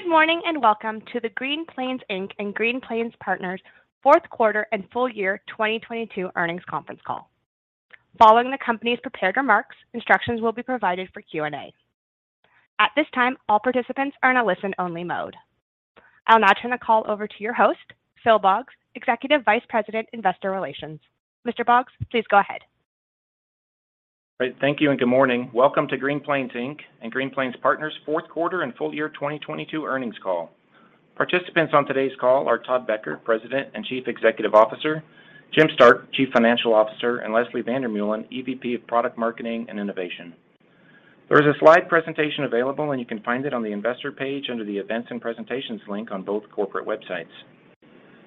Good morning, welcome to the Green Plains Inc and Green Plains Partners' fourth quarter and full year 2022 earnings conference call. Following the company's prepared remarks, instructions will be provided for Q&A. At this time, all participants are in a listen-only mode. I'll now turn the call over to your host, Phil Boggs, Executive Vice President, Investor Relations. Mr. Boggs, please go ahead. Great. Thank you and good morning. Welcome to Green Plains Inc and Green Plains Partners' fourth quarter and full year 2022 earnings call. Participants on today's call are Todd Becker, President and Chief Executive Officer, Jim Stark, Chief Financial Officer, and Leslie van der Meulen, EVP of Product Marketing and Innovation. There is a slide presentation available, and you can find it on the investor page under the Events and Presentations link on both corporate websites.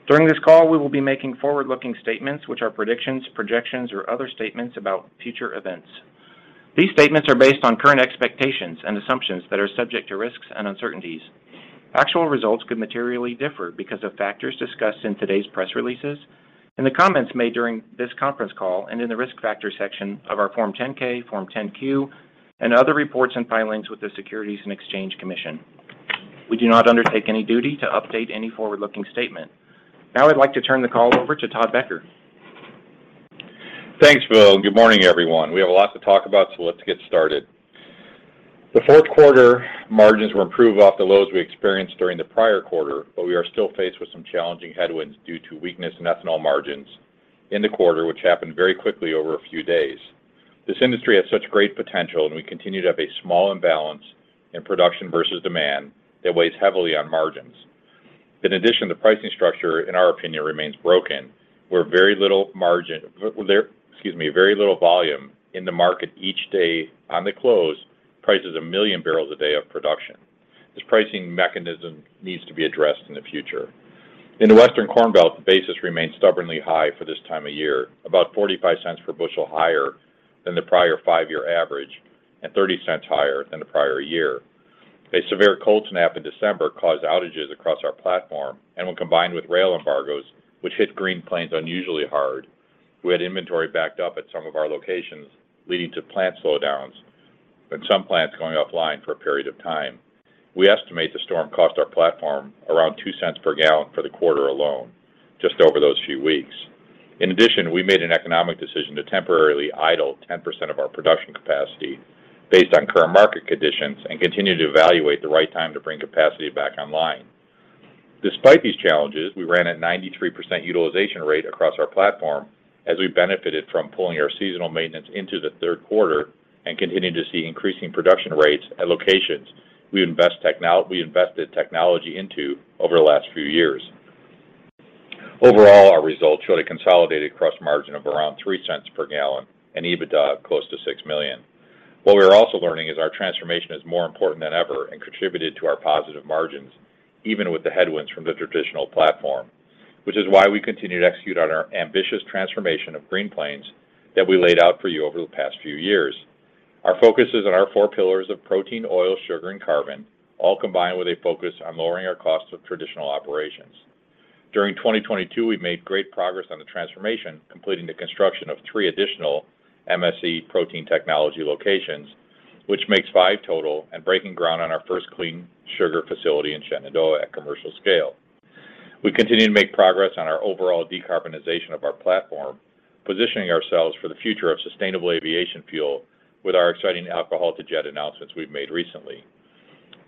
During this call, we will be making forward-looking statements, which are predictions, projections, or other statements about future events. These statements are based on current expectations and assumptions that are subject to risks and uncertainties. Actual results could materially differ because of factors discussed in today's press releases, in the comments made during this conference call, and in the risk factor section of our Form 10-K, Form 10-Q, and other reports and filings with the Securities and Exchange Commission. We do not undertake any duty to update any forward-looking statement. Now I'd like to turn the call over to Todd Becker. Thanks, Phil, and good morning, everyone. We have a lot to talk about, so let's get started. The fourth quarter margins were improved off the lows we experienced during the prior quarter, but we are still faced with some challenging headwinds due to weakness in ethanol margins in the quarter, which happened very quickly over a few days. This industry has such great potential, and we continue to have a small imbalance in production versus demand that weighs heavily on margins. In addition, the pricing structure, in our opinion, remains broken, where very little volume in the market each day on the close prices 1 million barrels a day of production. This pricing mechanism needs to be addressed in the future. In the Western Corn Belt, the basis remains stubbornly high for this time of year, about $0.45 per bushel higher than the prior five-year average and $0.30 higher than the prior year. A severe cold snap in December caused outages across our platform and when combined with rail embargoes, which hit Green Plains unusually hard, we had inventory backed up at some of our locations, leading to plant slowdowns and some plants going offline for a period of time. We estimate the storm cost our platform around $0.02 per gallon for the quarter alone, just over those few weeks. In addition, we made an economic decision to temporarily idle 10% of our production capacity based on current market conditions and continue to evaluate the right time to bring capacity back online. Despite these challenges, we ran at 93% utilization rate across our platform as we benefited from pulling our seasonal maintenance into the third quarter and continuing to see increasing production rates at locations we invested technology into over the last few years. Overall, our results showed a consolidated gross margin of around $0.03 per gallon and EBITDA of close to $6 million. What we are also learning is our transformation is more important than ever and contributed to our positive margins, even with the headwinds from the traditional platform, which is why we continue to execute on our ambitious transformation of Green Plains that we laid out for you over the past few years. Our focus is on our four pillars of Protein, Oil, Sugar, and Carbon, all combined with a focus on lowering our cost of traditional operations. During 2022, we made great progress on the transformation, completing the construction of three additional MSC protein technology locations, which makes five total and breaking ground on our first clean sugar facility in Shenandoah at commercial scale. We continue to make progress on our overall decarbonization of our platform, positioning ourselves for the future of sustainable aviation fuel with our exciting alcohol-to-jet announcements we've made recently.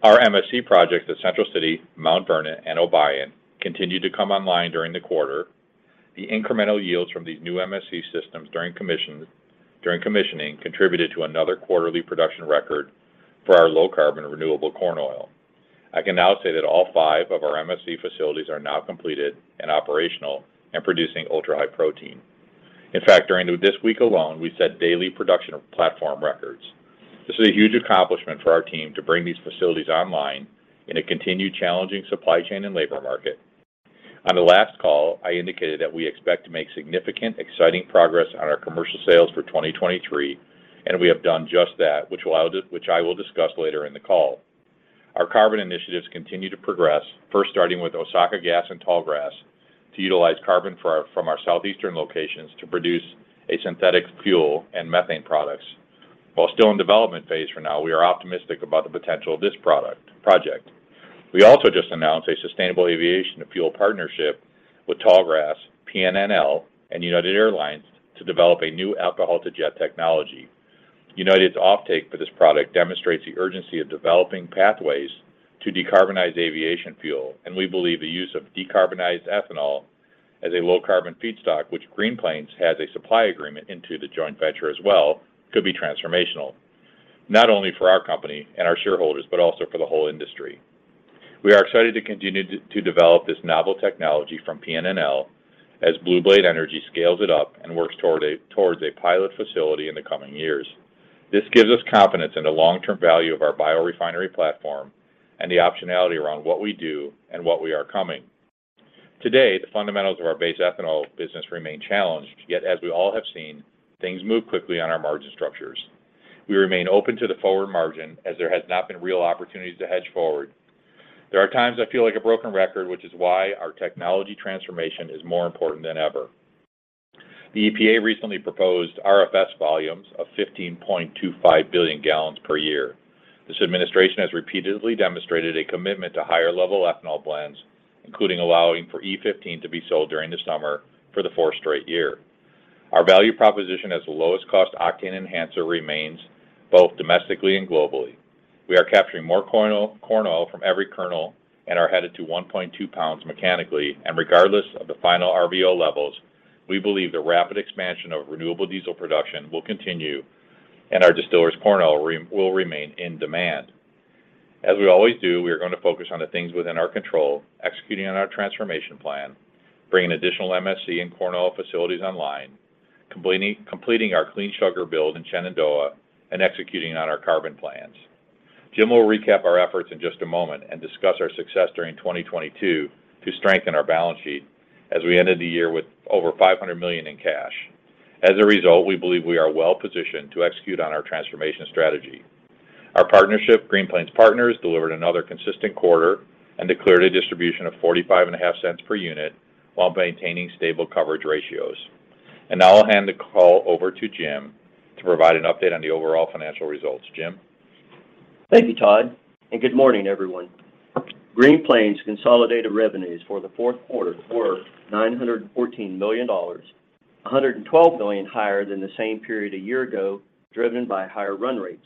Our MSC project at Central City, Mount Vernon, and Obion continued to come online during the quarter. The incremental yields from these new MSC systems during commissioning contributed to another quarterly production record for our low-carbon renewable corn oil. I can now say that all five of our MSC facilities are now completed and operational and producing Ultra-High Protein. In fact, during this week alone, we set daily production platform records. This is a huge accomplishment for our team to bring these facilities online in a continued challenging supply chain and labor market. On the last call, I indicated that we expect to make significant, exciting progress on our commercial sales for 2023, we have done just that, which I will discuss later in the call. Our carbon initiatives continue to progress, first starting with Osaka Gas and Tallgrass to utilize carbon from our southeastern locations to produce a synthetic fuel and methane products. While still in development phase for now, we are optimistic about the potential of this project. We also just announced a sustainable aviation fuel partnership with Tallgrass, PNNL, and United Airlines to develop a new alcohol-to-jet technology. United's offtake for this product demonstrates the urgency of developing pathways to decarbonize aviation fuel. We believe the use of decarbonized ethanol as a low-carbon feedstock, which Green Plains has a supply agreement into the joint venture as well, could be transformational, not only for our company and our shareholders, but also for the whole industry. We are excited to continue to develop this novel technology from PNNL as Blue Blade Energy scales it up and works towards a pilot facility in the coming years. This gives us confidence in the long-term value of our biorefinery platform and the optionality around what we do and what we are coming. Today, the fundamentals of our base ethanol business remain challenged, yet as we all have seen, things move quickly on our margin structures. We remain open to the forward margin as there has not been real opportunities to hedge forward. There are times I feel like a broken record, which is why our technology transformation is more important than ever. The EPA recently proposed RFS volumes of 15.25 billion gallons per year. This administration has repeatedly demonstrated a commitment to higher level ethanol blends, including allowing for E15 to be sold during the summer for the fourth straight year. Our value proposition as the lowest cost octane enhancer remains both domestically and globally. We are capturing more corn oil, corn oil from every kernel and are headed to 1.2 pounds mechanically. Regardless of the final RVO levels, we believe the rapid expansion of renewable diesel production will continue and our distillers corn oil will remain in demand. As we always do, we are gonna focus on the things within our control, executing on our transformation plan, bringing additional MSC and corn oil facilities online, completing our clean sugar build in Shenandoah, and executing on our carbon plans. Jim will recap our efforts in just a moment and discuss our success during 2022 to strengthen our balance sheet as we ended the year with over $500 million in cash. As a result, we believe we are well-positioned to execute on our transformation strategy. Our partnership, Green Plains Partners, delivered another consistent quarter and declared a distribution of $0.455 per unit while maintaining stable coverage ratios. Now I'll hand the call over to Jim to provide an update on the overall financial results. Jim? Thank you, Todd. Good morning, everyone. Green Plains' consolidated revenues for the fourth quarter were $914 million, $112 million higher than the same period a year ago, driven by higher run rates.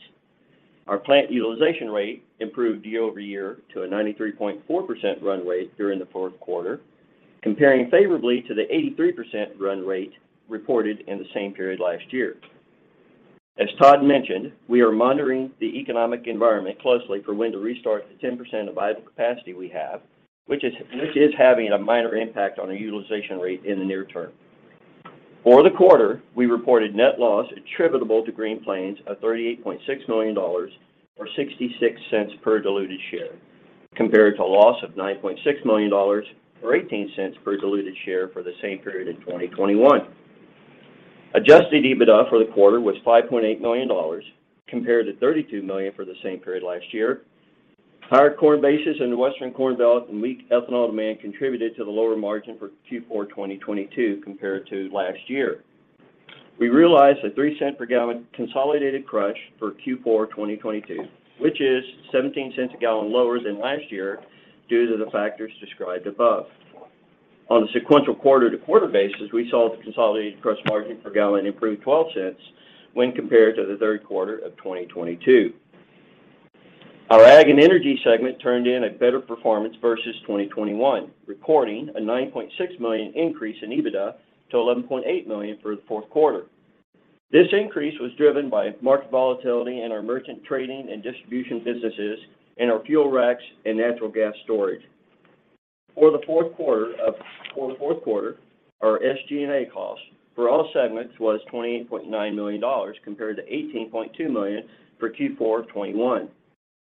Our plant utilization rate improved year-over-year to a 93.4% run rate during the fourth quarter, comparing favorably to the 83% run rate reported in the same period last year. As Todd mentioned, we are monitoring the economic environment closely for when to restart the 10% of idle capacity we have, which is having a minor impact on our utilization rate in the near term. For the quarter, we reported net loss attributable to Green Plains of $38.6 million or $0.66 per diluted share, compared to a loss of $9.6 million or $0.18 per diluted share for the same period in 2021. Adjusted EBITDA for the quarter was $5.8 million compared to $32 million for the same period last year. Higher corn basis in the Western Corn Belt and weak ethanol demand contributed to the lower margin for Q4 2022 compared to last year. We realized a $0.03 per gallon consolidated crush for Q4 2022, which is $0.17 a gallon lower than last year due to the factors described above. On a sequential quarter-to-quarter basis, we saw the consolidated crush margin per gallon improve $0.12 when compared to the third quarter of 2022. Our ag and energy segment turned in a better performance versus 2021, reporting a $9.6 million increase in EBITDA to $11.8 million for the fourth quarter. This increase was driven by market volatility in our merchant trading and distribution businesses and our fuel racks and natural gas storage. For the fourth quarter, our SG&A costs for all segments was $28.9 million compared to $18.2 million for Q4 of 2021.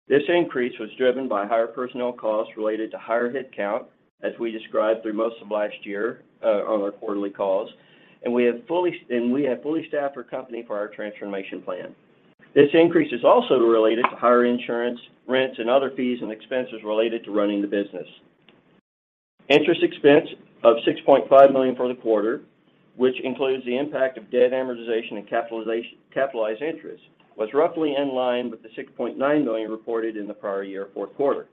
This increase was driven by higher personnel costs related to higher headcount, as we described through most of last year on our quarterly calls, and we have fully staffed our company for our transformation plan. This increase is also related to higher insurance, rents, and other fees and expenses related to running the business. Interest expense of $6.5 million for the quarter, which includes the impact of debt amortization and capitalized interest, was roughly in line with the $6.9 million reported in the prior year fourth quarter.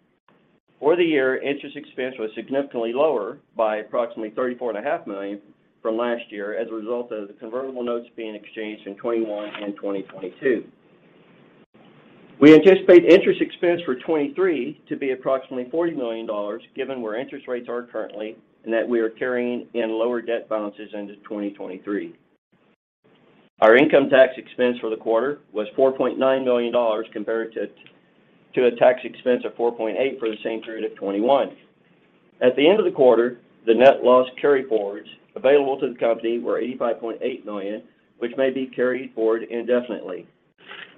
For the year, interest expense was significantly lower by approximately $34.5 million from last year as a result of the convertible notes being exchanged in 2021 and 2022. We anticipate interest expense for 2023 to be approximately $40 million, given where interest rates are currently and that we are carrying in lower debt balances into 2023. Our income tax expense for the quarter was $4.9 million compared to a tax expense of $4.8 million for the same period of 2021. At the end of the quarter, the net loss carryforwards available to the company were $85.8 million, which may be carried forward indefinitely.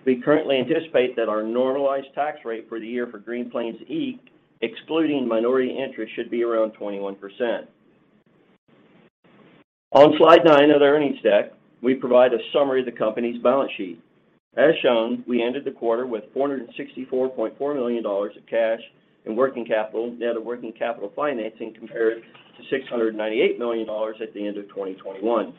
We currently anticipate that our normalized tax rate for the year for Green Plains Inc, excluding minority interest, should be around 21%. On slide nine of the earnings deck, we provide a summary of the company's balance sheet. As shown, we ended the quarter with $464.4 million of cash and working capital net of working capital financing compared to $698 million at the end of 2021.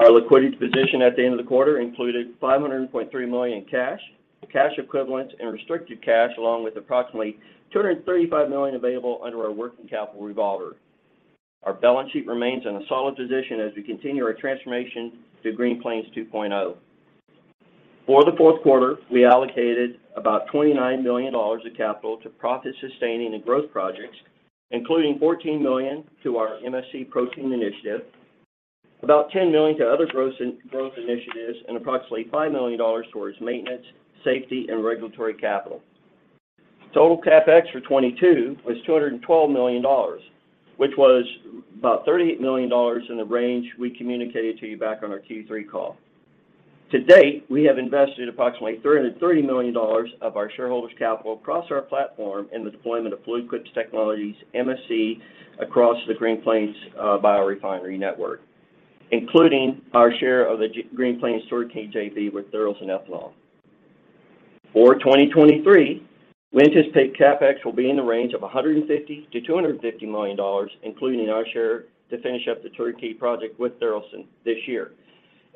Our liquidity position at the end of the quarter included $500.3 million in cash equivalents, and restricted cash, along with approximately $235 million available under our working capital revolver. Our balance sheet remains in a solid position as we continue our transformation to Green Plains 2.0. For the fourth quarter, we allocated about $29 million of capital to profit-sustaining and growth projects, including $14 million to our MSC protein initiative, about $10 million to other growth initiatives, and approximately $5 million towards maintenance, safety, and regulatory capital. Total CapEx for 2022 was $212 million, which was about $38 million in the range we communicated to you back on our Q3 call. To date, we have invested approximately $330 million of our shareholders' capital across our platform in the deployment of Fluid Quip Technologies' MSC across the Green Plains biorefinery network, including our share of the Green Plains storage JV with Tharaldson Ethanol. For 2023, we anticipate CapEx will be in the range of $150 million-$250 million, including our share to finish up the turnkey project with Tharaldson this year,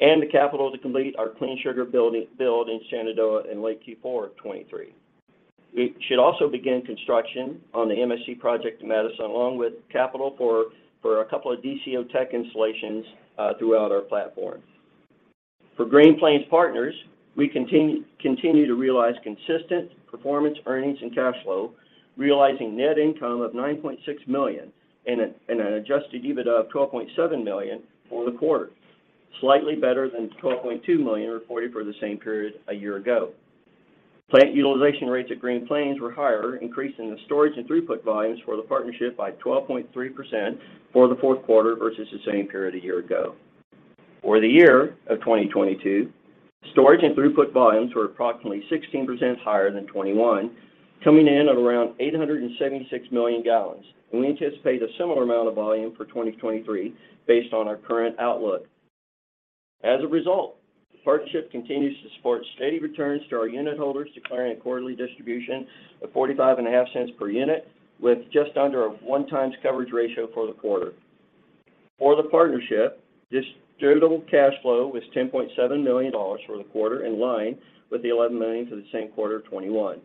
and the capital to complete our clean sugar building build in Shenandoah in late Q4 of 2023. We should also begin construction on the MSC project in Madison, along with capital for a couple of DCO installations throughout our platform. For Green Plains Partners, we continue to realize consistent performance earnings and cash flow, realizing net income of $9.6 million and an adjusted EBIT of $12.7 million for the quarter, slightly better than $12.2 million reported for the same period a year ago. Plant utilization rates at Green Plains were higher, increasing the storage and throughput volumes for the partnership by 12.3% for the fourth quarter versus the same period a year ago. For the year of 2022, storage and throughput volumes were approximately 16% higher than 2021, coming in at around 876 million gallons. We anticipate a similar amount of volume for 2023 based on our current outlook. As a result, the partnership continues to support steady returns to our unit holders, declaring a quarterly distribution of forty-five and a half cents per unit with just under a 1 times coverage ratio for the quarter. For the partnership, distributable cash flow was $10.7 million for the quarter, in line with the $11 million for the same quarter of 2021.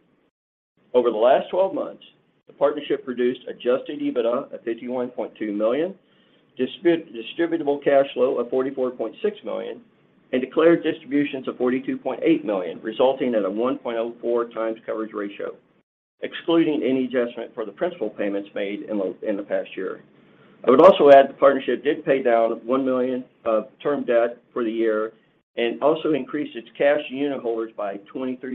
Over the last 12 months, the partnership produced Adjusted EBITDA of $51.2 million, distributable cash flow of $44.6 million, and declared distributions of $42.8 million, resulting in a 1.04 times coverage ratio, excluding any adjustment for the principal payments made in the past year. I would also add the partnership did pay down $1 million of term debt for the year and also increased its cash unit holders by $23.6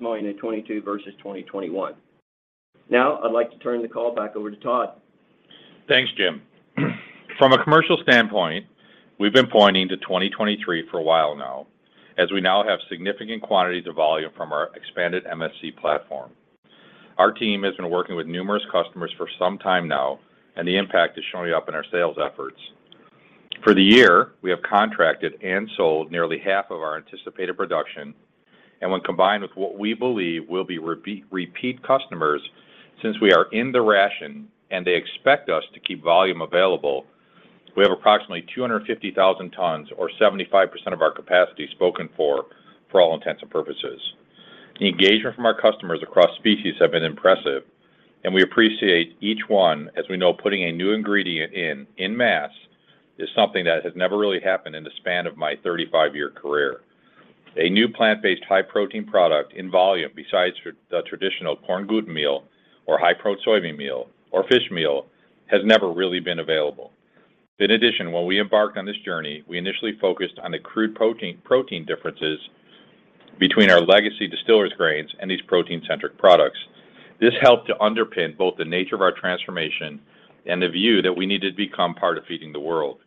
million in 2022 versus 2021. Now, I'd like to turn the call back over to Todd. Thanks, Jim. From a commercial standpoint, we've been pointing to 2023 for a while now, as we now have significant quantities of volume from our expanded MSC platform. Our team has been working with numerous customers for some time now, the impact is showing up in our sales efforts. For the year, we have contracted and sold nearly half of our anticipated production. When combined with what we believe will be repeat customers, since we are in the ration and they expect us to keep volume available, we have approximately 250,000 tons or 75% of our capacity spoken for for all intents and purposes. The engagement from our customers across species have been impressive, and we appreciate each one as we know putting a new ingredient in in mass is something that has never really happened in the span of my 35-year career. A new plant-based high-protein product in volume besides the traditional corn gluten meal or high-pro soybean meal or fish meal has never really been available. In addition, when we embarked on this journey, we initially focused on the crude protein differences between our legacy distillers' grains and these protein-centric products. This helped to underpin both the nature of our transformation and the view that we needed to become part of feeding the world.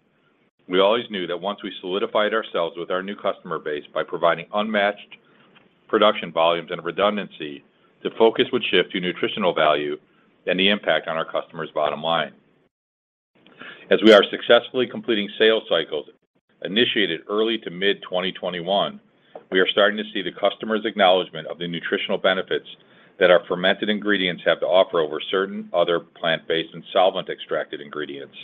We always knew that once we solidified ourselves with our new customer base by providing unmatched production volumes and redundancy, the focus would shift to nutritional value and the impact on our customer's bottom line. As we are successfully completing sales cycles initiated early to mid-2021, we are starting to see the customer's acknowledgment of the nutritional benefits that our fermented ingredients have to offer over certain other plant-based and solvent-extracted ingredients.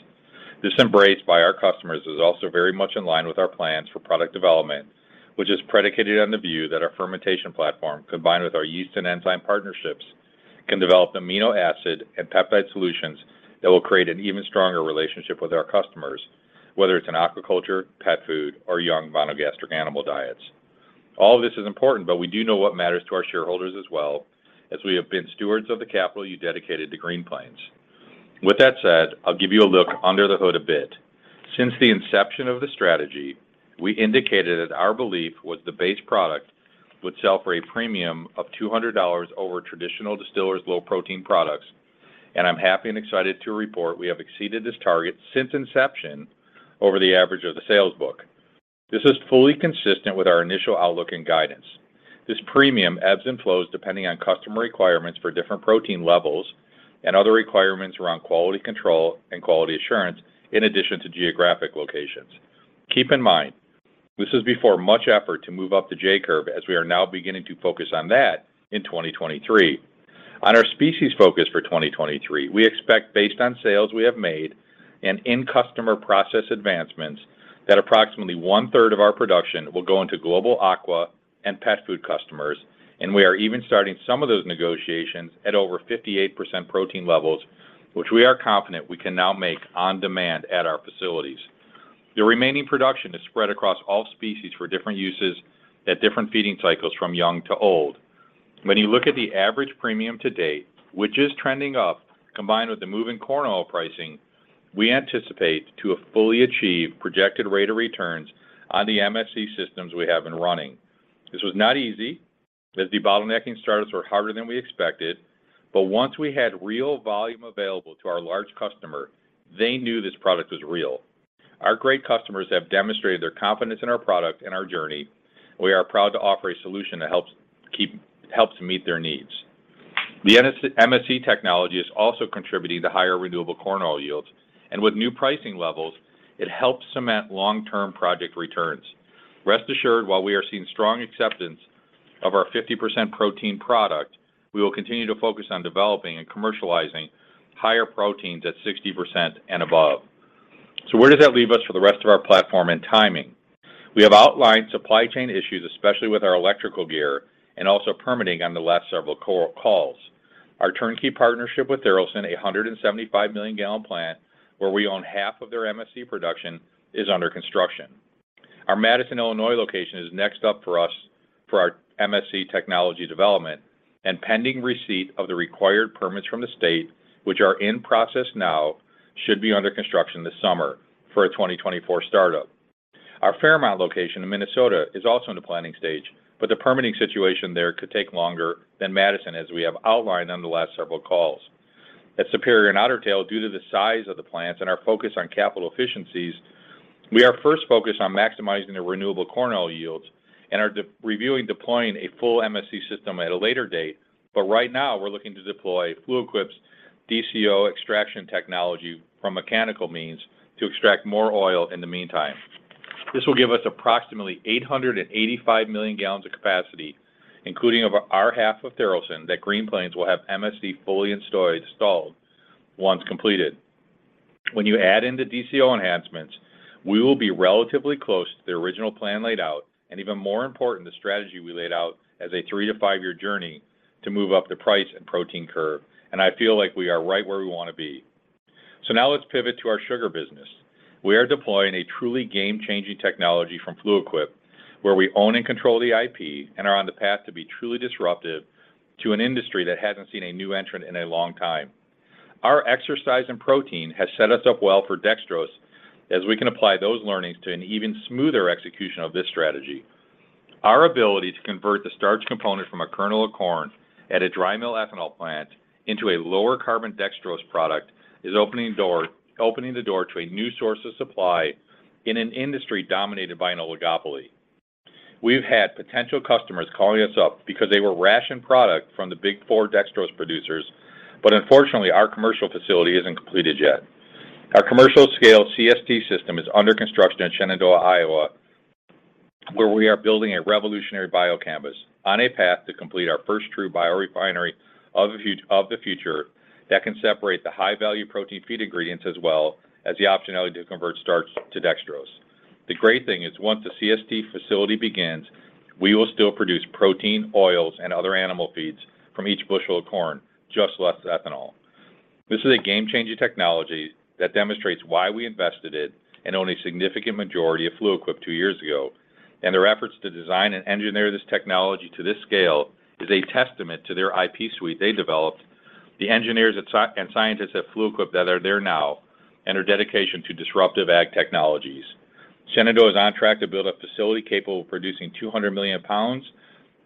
This embrace by our customers is also very much in line with our plans for product development, which is predicated on the view that our fermentation platform, combined with our yeast and enzyme partnerships, can develop amino acid and peptide solutions that will create an even stronger relationship with our customers, whether it's in aquaculture, pet food or young monogastric animal diets. All this is important, but we do know what matters to our shareholders as well as we have been stewards of the capital you dedicated to Green Plains. With that said, I'll give you a look under the hood a bit. Since the inception of the strategy, we indicated that our belief was the base product would sell for a premium of $200 over traditional distillers' low-protein products. I'm happy and excited to report we have exceeded this target since inception over the average of the sales book. This is fully consistent with our initial outlook and guidance. This premium ebbs and flows depending on customer requirements for different protein levels and other requirements around quality control and quality assurance, in addition to geographic locations. Keep in mind, this is before much effort to move up the J-curve as we are now beginning to focus on that in 2023. On our species focus for 2023, we expect based on sales we have made and in-customer process advancements, that approximately 1/3 of our production will go into global aqua and pet food customers. We are even starting some of those negotiations at over 58% protein levels, which we are confident we can now make on demand at our facilities. The remaining production is spread across all species for different uses at different feeding cycles from young to old. When you look at the average premium to date, which is trending up, combined with the moving corn oil pricing, we anticipate to have fully achieved projected rate of returns on the MSC systems we have been running. This was not easy, as the bottlenecking startups were harder than we expected. Once we had real volume available to our large customer, they knew this product was real. Our great customers have demonstrated their confidence in our product and our journey. We are proud to offer a solution that helps meet their needs. The MSC technology is also contributing to higher renewable corn oil yields, and with new pricing levels, it helps cement long-term project returns. Rest assured, while we are seeing strong acceptance of our 50% protein product, we will continue to focus on developing and commercializing higher proteins at 60% and above. Where does that leave us for the rest of our platform and timing? We have outlined supply chain issues, especially with our electrical gear and also permitting on the last several co- calls. Our turnkey partnership with Tharaldson, a 175 million-gallon plant where we own half of their MSC production, is under construction. Our Madison, Illinois location is next up for us for our MSC technology development and pending receipt of the required permits from the state, which are in process now, should be under construction this summer for a 2024 startup. The Fairmont location in Minnesota is also in the planning stage, the permitting situation there could take longer than Madison, as we have outlined on the last several calls. At Superior and Otter Tail, due to the size of the plants and our focus on capital efficiencies, we are first focused on maximizing the renewable corn oil yields and are de-reviewing deploying a full MSC system at a later date. Right now we're looking to deploy Fluid Quip's DCO extraction technology from mechanical means to extract more oil in the meantime. This will give us approximately 885 million gallons of capacity, including over our half of Tharaldson, that Green Plains will have MSC fully installed once completed. When you add in the DCO enhancements, we will be relatively close to the original plan laid out and even more important, the strategy we laid out as a three to five year journey to move up the price and protein curve. I feel like we are right where we want to be. Now let's pivot to our sugar business. We are deploying a truly game-changing technology from Fluid Quip Technologies, where we own and control the IP and are on the path to be truly disruptive to an industry that hasn't seen a new entrant in a long time. Our exercise in protein has set us up well for dextrose as we can apply those learnings to an even smoother execution of this strategy. Our ability to convert the starch component from a kernel of corn at a dry mill ethanol plant into a lower carbon dextrose product is opening the door to a new source of supply in an industry dominated by an oligopoly. We've had potential customers calling us up because they were rationed product from the Big Four dextrose producers. Unfortunately, our commercial facility isn't completed yet. Our commercial scale CST system is under construction in Shenandoah, Iowa, where we are building a revolutionary bio campus on a path to complete our first true biorefinery of the future that can separate the high-value protein feed ingredients, as well as the optionality to convert starch to dextrose. The great thing is, once the CST facility begins, we will still produce protein, oils and other animal feeds from each bushel of corn, just less ethanol. This is a game-changing technology that demonstrates why we invested it and own a significant majority of Fluid Quip two years ago. Their efforts to design and engineer this technology to this scale is a testament to their IP suite they developed, the engineers and scientists at Fluid Quip that are there now, and their dedication to disruptive ag technologies. Shenandoah is on track to build a facility capable of producing 200 million pounds,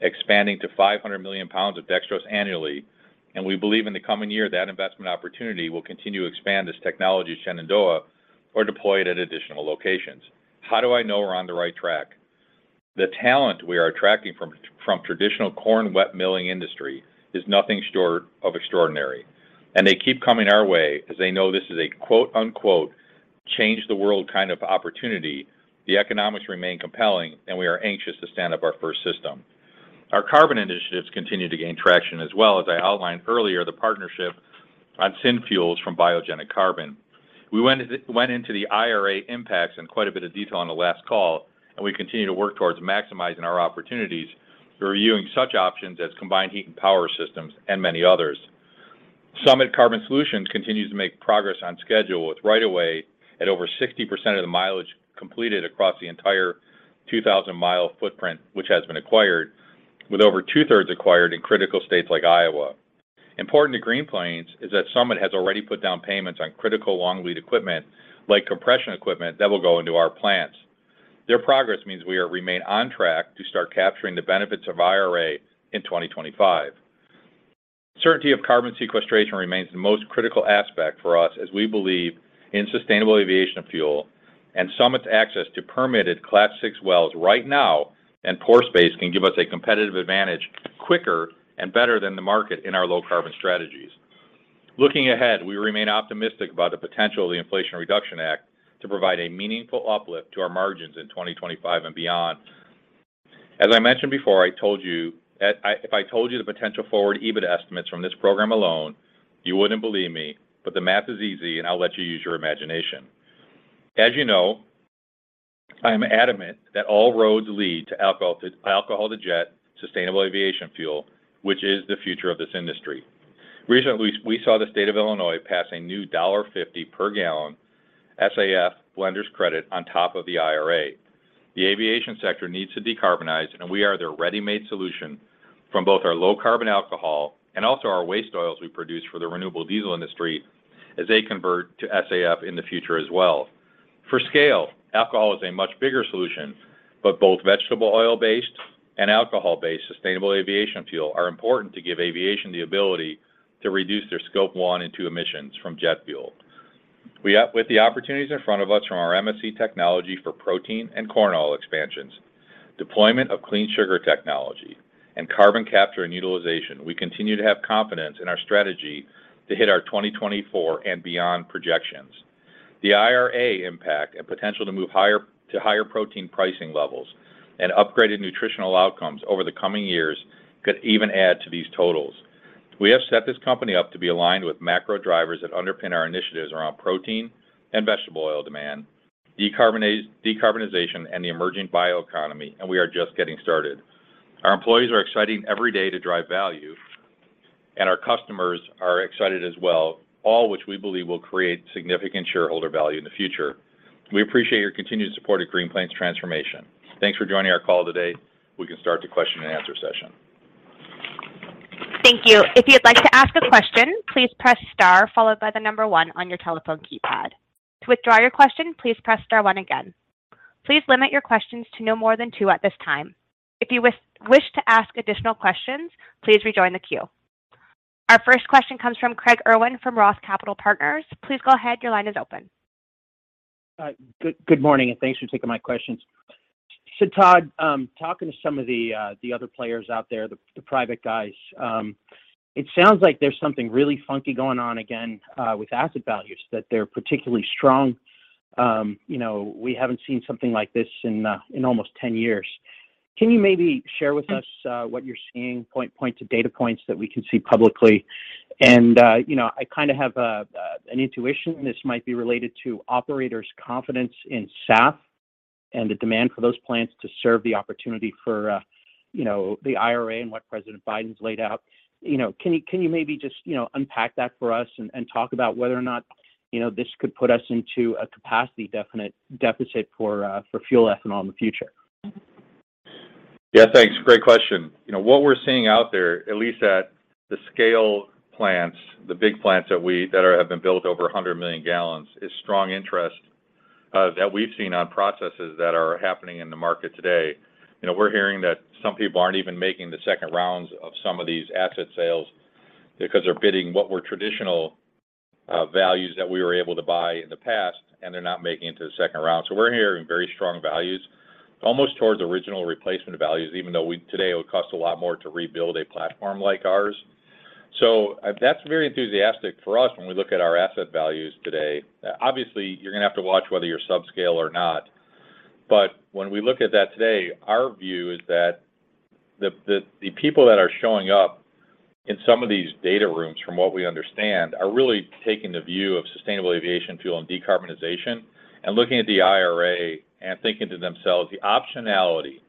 expanding to 500 million pounds of dextrose annually. We believe in the coming year that investment opportunity will continue to expand this technology at Shenandoah or deploy it at additional locations. How do I know we're on the right track? The talent we are attracting from traditional corn wet milling industry is nothing short of extraordinary. They keep coming our way as they know this is a quote unquote, "Change the world kind of opportunity." The economics remain compelling. We are anxious to stand up our first system. Our carbon initiatives continue to gain traction as well. As I outlined earlier, the partnership on syn fuels from biogenic carbon. We went into the IRA impacts in quite a bit of detail on the last call. We continue to work towards maximizing our opportunities. We're reviewing such options as combined heat and power systems and many others. Summit Carbon Solutions continues to make progress on schedule with right of way at over 60% of the mileage completed across the entire 2,000 mile footprint, which has been acquired with over two-thirds acquired in critical states like Iowa. Important to Green Plains is that Summit has already put down payments on critical long lead equipment like compression equipment that will go into our plants. Their progress means we remain on track to start capturing the benefits of IRA in 2025. Certainty of carbon sequestration remains the most critical aspect for us as we believe in sustainable aviation fuel and Summit's access to permitted Class VI wells right now and pore space can give us a competitive advantage quicker and better than the market in our low carbon strategies. Looking ahead, we remain optimistic about the potential of the Inflation Reduction Act to provide a meaningful uplift to our margins in 2025 and beyond. As I mentioned before, I told you, if I told you the potential forward EBIT estimates from this program alone, you wouldn't believe me. The math is easy, and I'll let you use your imagination. As you know, I am adamant that all roads lead to alcohol-to-jet sustainable aviation fuel, which is the future of this industry. Recently, we saw the state of Illinois pass a new $1.50 per gallon SAF blender's credit on top of the IRA. The aviation sector needs to decarbonize, and we are their ready-made solution from both our low carbon alcohol and also our waste oils we produce for the renewable diesel industry as they convert to SAF in the future as well. For scale, alcohol is a much bigger solution, but both vegetable oil-based and alcohol-based sustainable aviation fuel are important to give aviation the ability to reduce their scope one and two emissions from jet fuel. With the opportunities in front of us from our MSC technology for protein and corn oil expansions, deployment of clean sugar technology, and carbon capture and utilization, we continue to have confidence in our strategy to hit our 2024 and beyond projections. The IRA impact and potential to move to higher protein pricing levels and upgraded nutritional outcomes over the coming years could even add to these totals. We have set this company up to be aligned with macro drivers that underpin our initiatives around protein and vegetable oil demand, decarbonization, and the emerging bioeconomy. We are just getting started. Our employees are excited every day to drive value. Our customers are excited as well, all which we believe will create significant shareholder value in the future. We appreciate your continued support at Green Plains transformation. Thanks for joining our call today. We can start the question and answer session. Thank you. If you'd like to ask a question, please press star followed by the number one on your telephone keypad. To withdraw your question, please press star one again. Please limit your questions to no more than two at this time. If you wish to ask additional questions, please rejoin the queue. Our first question comes from Craig Irwin from Roth Capital Partners. Please go ahead. Your line is open. Good, good morning, and thanks for taking my questions. Todd, talking to some of the other players out there, the private guys, it sounds like there's something really funky going on again with asset values, that they're particularly strong. You know, we haven't seen something like this in almost 10 years. Can you maybe share with us what you're seeing, point to data points that we can see publicly? You know, I kinda have an intuition this might be related to operators' confidence in SAF and the demand for those plants to serve the opportunity for, you know, the IRA and what President Biden's laid out. You know, can you maybe just, you know, unpack that for us and talk about whether or not, you know, this could put us into a capacity deficit for fuel ethanol in the future? Yeah, thanks. Great question. You know, what we're seeing out there, at least at the scale plants, the big plants that have been built over 100 million gallons, is strong interest that we've seen on processes that are happening in the market today. You know, we're hearing that some people aren't even making the second rounds of some of these asset sales because they're bidding what were traditional values that we were able to buy in the past, and they're not making it to the second round. We're hearing very strong values, almost towards original replacement values, even though today it would cost a lot more to rebuild a platform like ours. That's very enthusiastic for us when we look at our asset values today. Obviously, you're gonna have to watch whether you're subscale or not. When we look at that today, our view is that the people that are showing up in some of these data rooms, from what we understand, are really taking the view of sustainable aviation fuel and decarbonization and looking at the IRA and thinking to themselves the optionality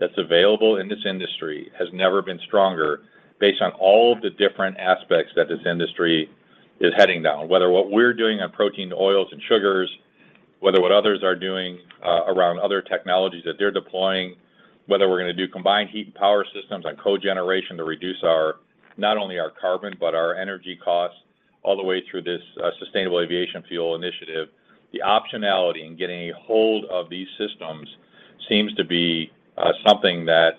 that's available in this industry has never been stronger based on all of the different aspects that this industry is heading down. Whether what we're doing on protein to oils and sugars, whether what others are doing around other technologies that they're deploying, whether we're gonna do combined heat and power systems on cogeneration to reduce not only our carbon, but our energy costs all the way through this sustainable aviation fuel initiative. The optionality in getting a hold of these systems seems to be, something that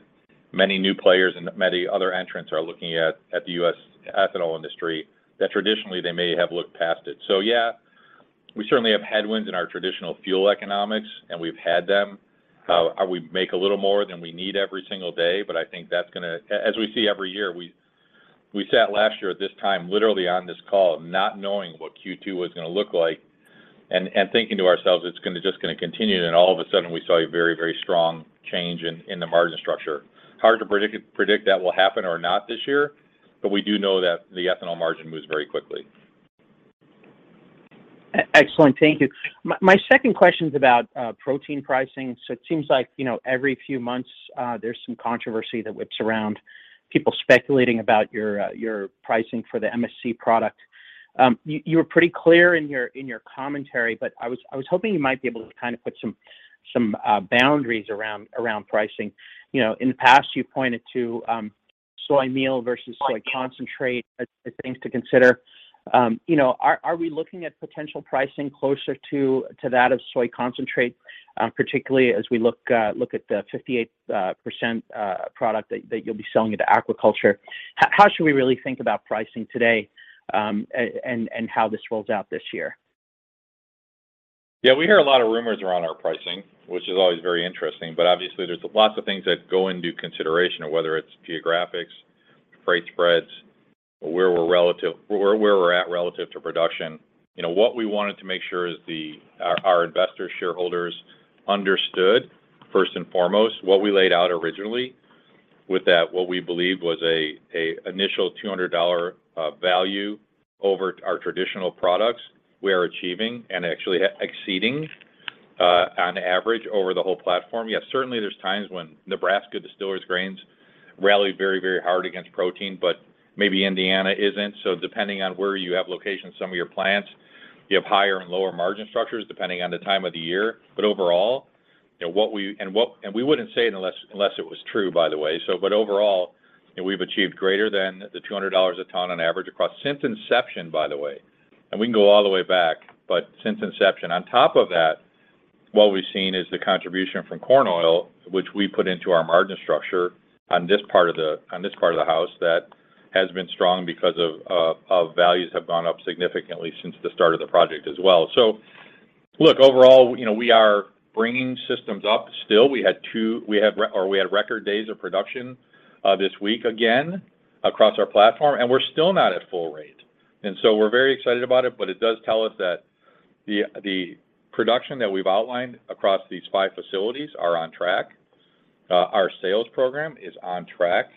many new players and many other entrants are looking at the U.S. ethanol industry, that traditionally they may have looked past it. Yeah, we certainly have headwinds in our traditional fuel economics, and we've had them. We make a little more than we need every single day, but I think that's gonna as we see every year, we sat last year at this time literally on this call not knowing what Q2 was gonna look like and thinking to ourselves it's just gonna continue, and all of a sudden we saw a very, very strong change in the margin structure. Hard to predict that will happen or not this year. We do know that the ethanol margin moves very quickly. Excellent. Thank you. My second question's about protein pricing. It seems like, you know, every few months, there's some controversy that whips around people speculating about your pricing for the MSC product. You were pretty clear in your commentary, I was hoping you might be able to kind of put some boundaries around pricing. You know, in the past you pointed to soy meal versus soy concentrate as things to consider. You know, are we looking at potential pricing closer to that of soy concentrate, particularly as we look at the 58% product that you'll be selling into aquaculture? How should we really think about pricing today, and how this rolls out this year? We hear a lot of rumors around our pricing, which is always very interesting. Obviously, there's lots of things that go into consideration, whether it's geographics, freight spreads, where we're at relative to production. You know, what we wanted to make sure is our investor shareholders understood first and foremost what we laid out originally with that what we believed was a initial $200 value over our traditional products we are achieving and actually exceeding on average over the whole platform. Yes, certainly there's times when Nebraska distillers' grains rallied very, very hard against protein, but maybe Indiana isn't. Depending on where you have locations, some of your plants, you have higher and lower margin structures depending on the time of the year. Overall, you know, we wouldn't say it unless it was true, by the way. Overall, you know, we've achieved greater than $200 a ton on average across since inception, by the way. We can go all the way back, but since inception. On top of that, what we've seen is the contribution from corn oil, which we put into our margin structure on this part of the house that has been strong because of values have gone up significantly since the start of the project as well. Look, overall, you know, we are bringing systems up still. We had record days of production this week again across our platform, and we're still not at full rate. We're very excited about it, but it does tell us that the production that we've outlined across these five facilities are on track. Our sales program is on track.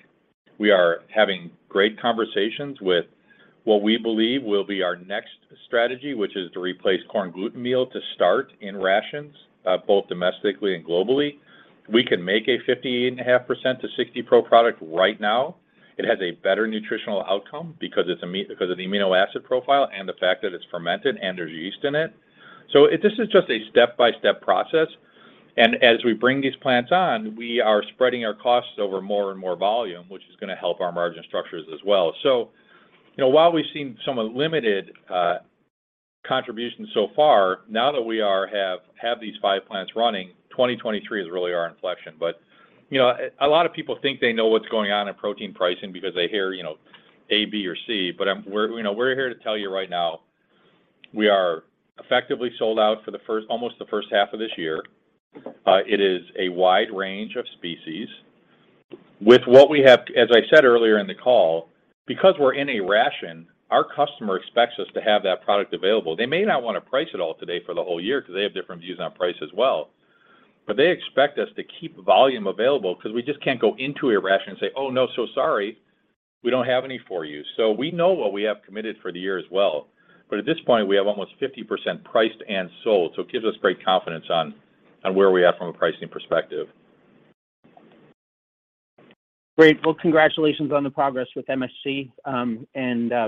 We are having great conversations with what we believe will be our next strategy, which is to replace corn gluten meal to start in rations, both domestically and globally. We can make a 50.5% to 60% pro product right now. It has a better nutritional outcome because of the amino acid profile and the fact that it's fermented and there's yeast in it. This is just a step-by-step process. As we bring these plants on, we are spreading our costs over more and more volume, which is gonna help our margin structures as well. You know, while we've seen some limited contributions so far, now that we have these five plants running, 2023 is really our inflection. You know, a lot of people think they know what's going on in protein pricing because they hear, you know, A, B, or C. We're, you know, we're here to tell you right now we are effectively sold out for almost the first half of this year. It is a wide range of species. With what we have, as I said earlier in the call, because we're in a ration, our customer expects us to have that product available. They may not want to price it all today for the whole year because they have different views on price as well. They expect us to keep volume available because we just can't go into a ration and say, "Oh, no, so sorry. We don't have any for you." We know what we have committed for the year as well. At this point, we have almost 50% priced and sold. It gives us great confidence on where we are from a pricing perspective. Great. Well, congratulations on the progress with MSC.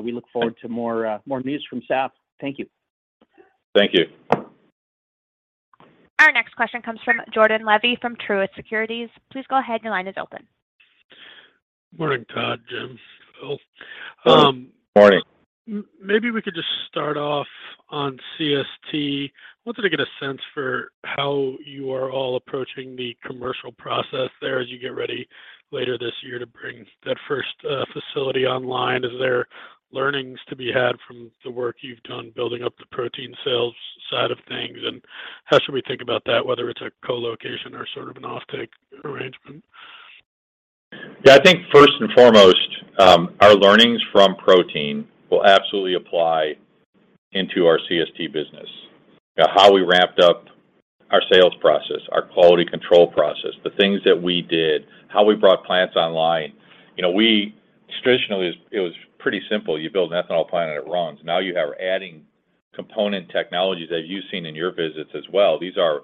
We look forward to more news from South. Thank you. Thank you. Our next question comes from Jordan Levy from Truist Securities. Please go ahead. Your line is open. Morning, Todd, Jim, Phil. Morning. Maybe we could just start off on CST. Wanted to get a sense for how you are all approaching the commercial process there as you get ready later this year to bring that first facility online. Is there learnings to be had from the work you've done building up the protein sales side of things? How should we think about that, whether it's a co-location or sort of an offtake arrangement? Yeah. I think first and foremost, our learnings from protein will absolutely apply into our CST business. How we ramped up our sales process, our quality control process, the things that we did, how we brought plants online. You know, traditionally, it was pretty simple. You build an ethanol plant, and it runs. Now you have adding component technologies that you've seen in your visits as well. These are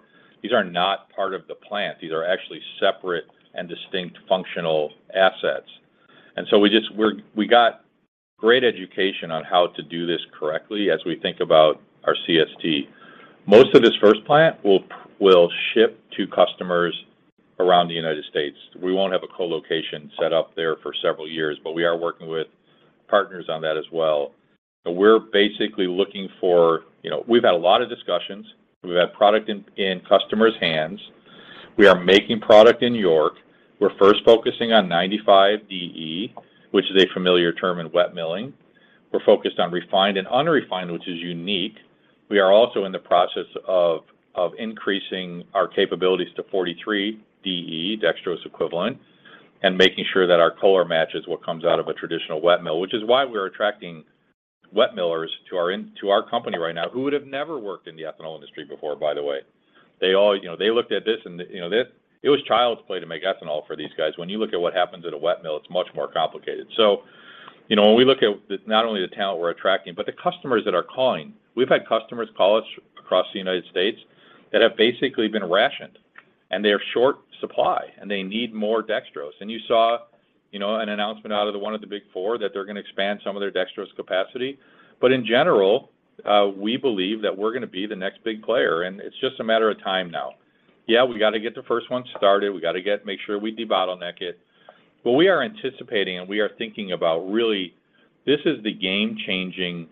not part of the plant. These are actually separate and distinct functional assets. We got great education on how to do this correctly as we think about our CST. Most of this first plant will ship to customers around the United States. We won't have a co-location set up there for several years, but we are working with partners on that as well. We're basically looking for, you know, we've had a lot of discussions. We've had product in customers' hands. We are making product in York. We're first focusing on 95 DE, which is a familiar term in wet milling. We're focused on refined and unrefined, which is unique. We are also in the process of increasing our capabilities to 43 DE, dextrose equivalent, and making sure that our color matches what comes out of a traditional wet mill, which is why we're attracting wet millers to our company right now who would have never worked in the ethanol industry before, by the way. They all, you know, they looked at this, and, you know, this, it was child's play to make ethanol for these guys. When you look at what happens at a wet mill, it's much more complicated. You know, when we look at not only the talent we're attracting, but the customers that are calling. We've had customers call us across the United States that have basically been rationed, and they are short supply, and they need more dextrose. You saw, you know, an announcement out of the one of the Big Four that they're gonna expand some of their dextrose capacity. In general, we believe that we're gonna be the next big player, and it's just a matter of time now. Yeah, we got to get the first one started. We got to make sure we debottleneck it. We are anticipating, and we are thinking about, really, this is the game-changing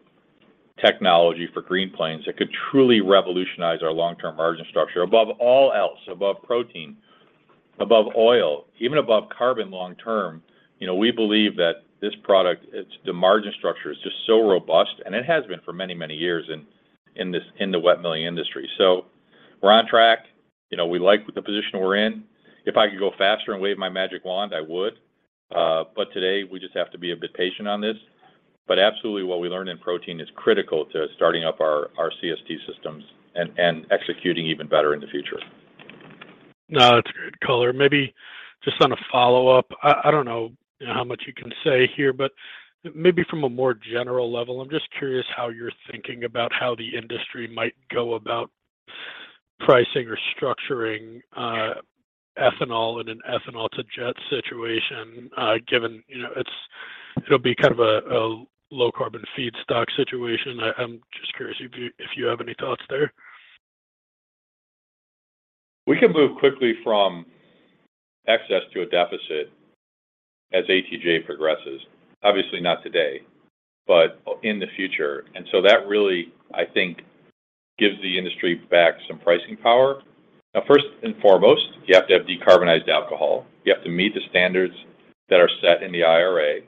technology for Green Plains that could truly revolutionize our long-term margin structure above all else, above protein, above oil, even above carbon long term. You know, we believe that this product, the margin structure is just so robust, and it has been for many, many years in the wet milling industry. We're on track. You know, we like the position we're in. If I could go faster and wave my magic wand, I would. Today, we just have to be a bit patient on this. Absolutely what we learned in protein is critical to starting up our CST systems and executing even better in the future. No, that's a good color. Maybe just on a follow-up, I don't know how much you can say here, but maybe from a more general level, I'm just curious how you're thinking about how the industry might go about pricing or structuring ethanol in an ethanol-to-jet situation, given, you know, it'll be kind of a low-carbon feedstock situation. I'm just curious if you have any thoughts there? We can move quickly from excess to a deficit as ATJ progresses. Obviously not today, but in the future. That really, I think, gives the industry back some pricing power. Now, first and foremost, you have to have decarbonized alcohol. You have to meet the standards that are set in the IRA.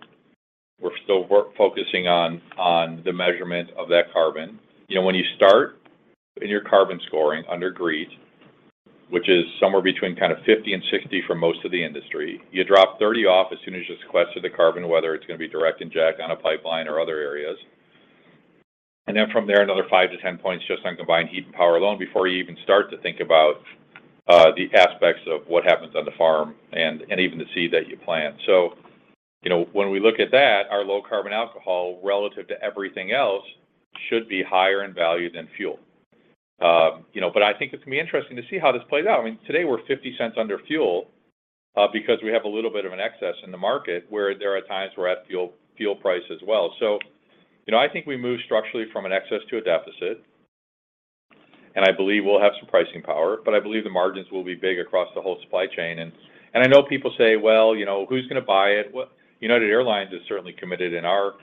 We're still focusing on the measurement of that carbon. You know, when you start in your carbon scoring under GREET, which is somewhere between kind of 50 and 60 for most of the industry, you drop 30 off as soon as you sequester the carbon, whether it's gonna be direct inject on a pipeline or other areas. From there, another five to 10 points just on combined heat and power alone before you even start to think about the aspects of what happens on the farm and even the seed that you plant. You know, when we look at that, our low carbon alcohol relative to everything else should be higher in value than fuel. You know, I think it's gonna be interesting to see how this plays out. I mean, today we're $0.50 under fuel because we have a little bit of an excess in the market where there are times we're at fuel price as well. You know, I think we move structurally from an excess to a deficit, and I believe we'll have some pricing power, but I believe the margins will be big across the whole supply chain. I know people say, "Well, you know, who's gonna buy it? United Airlines is certainly committed in our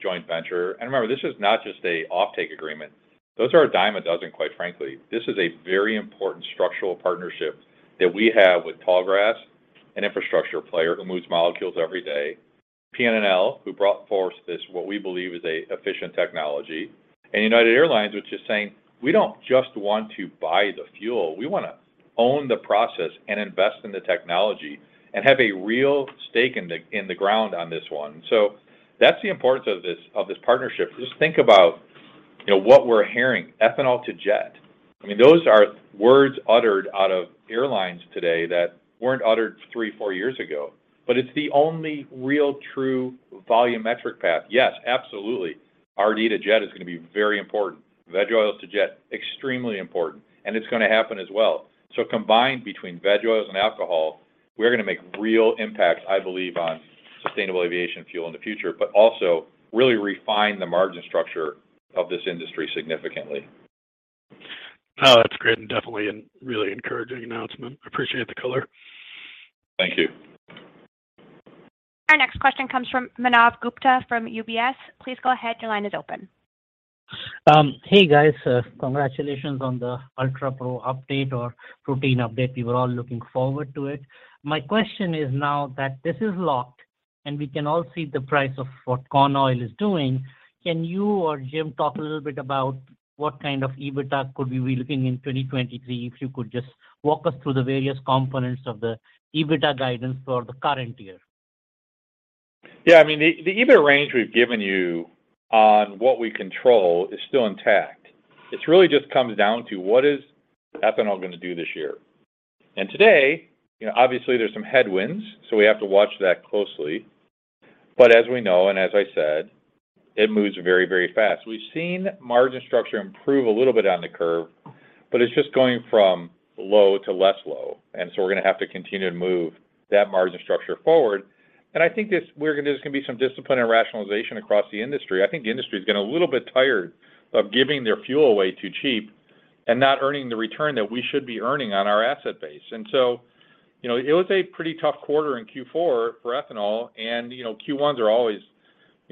joint venture." Remember, this is not just a offtake agreement. Those are a dime a dozen, quite frankly. This is a very important structural partnership that we have with Tallgrass, an infrastructure player who moves molecules every day. PNNL, who brought forth this what we believe is a efficient technology. United Airlines, which is saying, "We don't just want to buy the fuel. We wanna own the process and invest in the technology and have a real stake in the ground on this one." That's the importance of this partnership. Just think about, you know, what we're hearing, ethanol to jet. I mean, those are words uttered out of airlines today that weren't uttered three, four years ago. It's the only real true volumetric path. Yes, absolutely. RD to jet is gonna be very important. Veg oils to jet, extremely important, and it's gonna happen as well. Combined between veg oils and alcohol, we're gonna make real impacts, I believe, on sustainable aviation fuel in the future, but also really refine the margin structure of this industry significantly. Oh, that's great. Definitely a really encouraging announcement. Appreciate the color. Thank you. Our next question comes from Manav Gupta from UBS. Please go ahead. Your line is open. Hey guys, congratulations on the UltraPro update or protein update. We were all looking forward to it. My question is now that this is locked, and we can all see the price of what corn oil is doing, can you or Jim talk a little bit about what kind of EBITDA could we be looking in 2023, if you could just walk us through the various components of the EBITDA guidance for the current year? Yeah. I mean, the EBITDA range we've given you on what we control is still intact. It really just comes down to what is ethanol gonna do this year. Today, you know, obviously there's some headwinds, so we have to watch that closely. As we know, and as I said, it moves very, very fast. We've seen margin structure improve a little bit on the curve, but it's just going from low to less low. We're gonna have to continue to move that margin structure forward. I think there's gonna be some discipline and rationalization across the industry. I think the industry's getting a little bit tired of giving their fuel away too cheap and not earning the return that we should be earning on our asset base. You know, it was a pretty tough quarter in Q4 for ethanol and, you know, Q1s are always,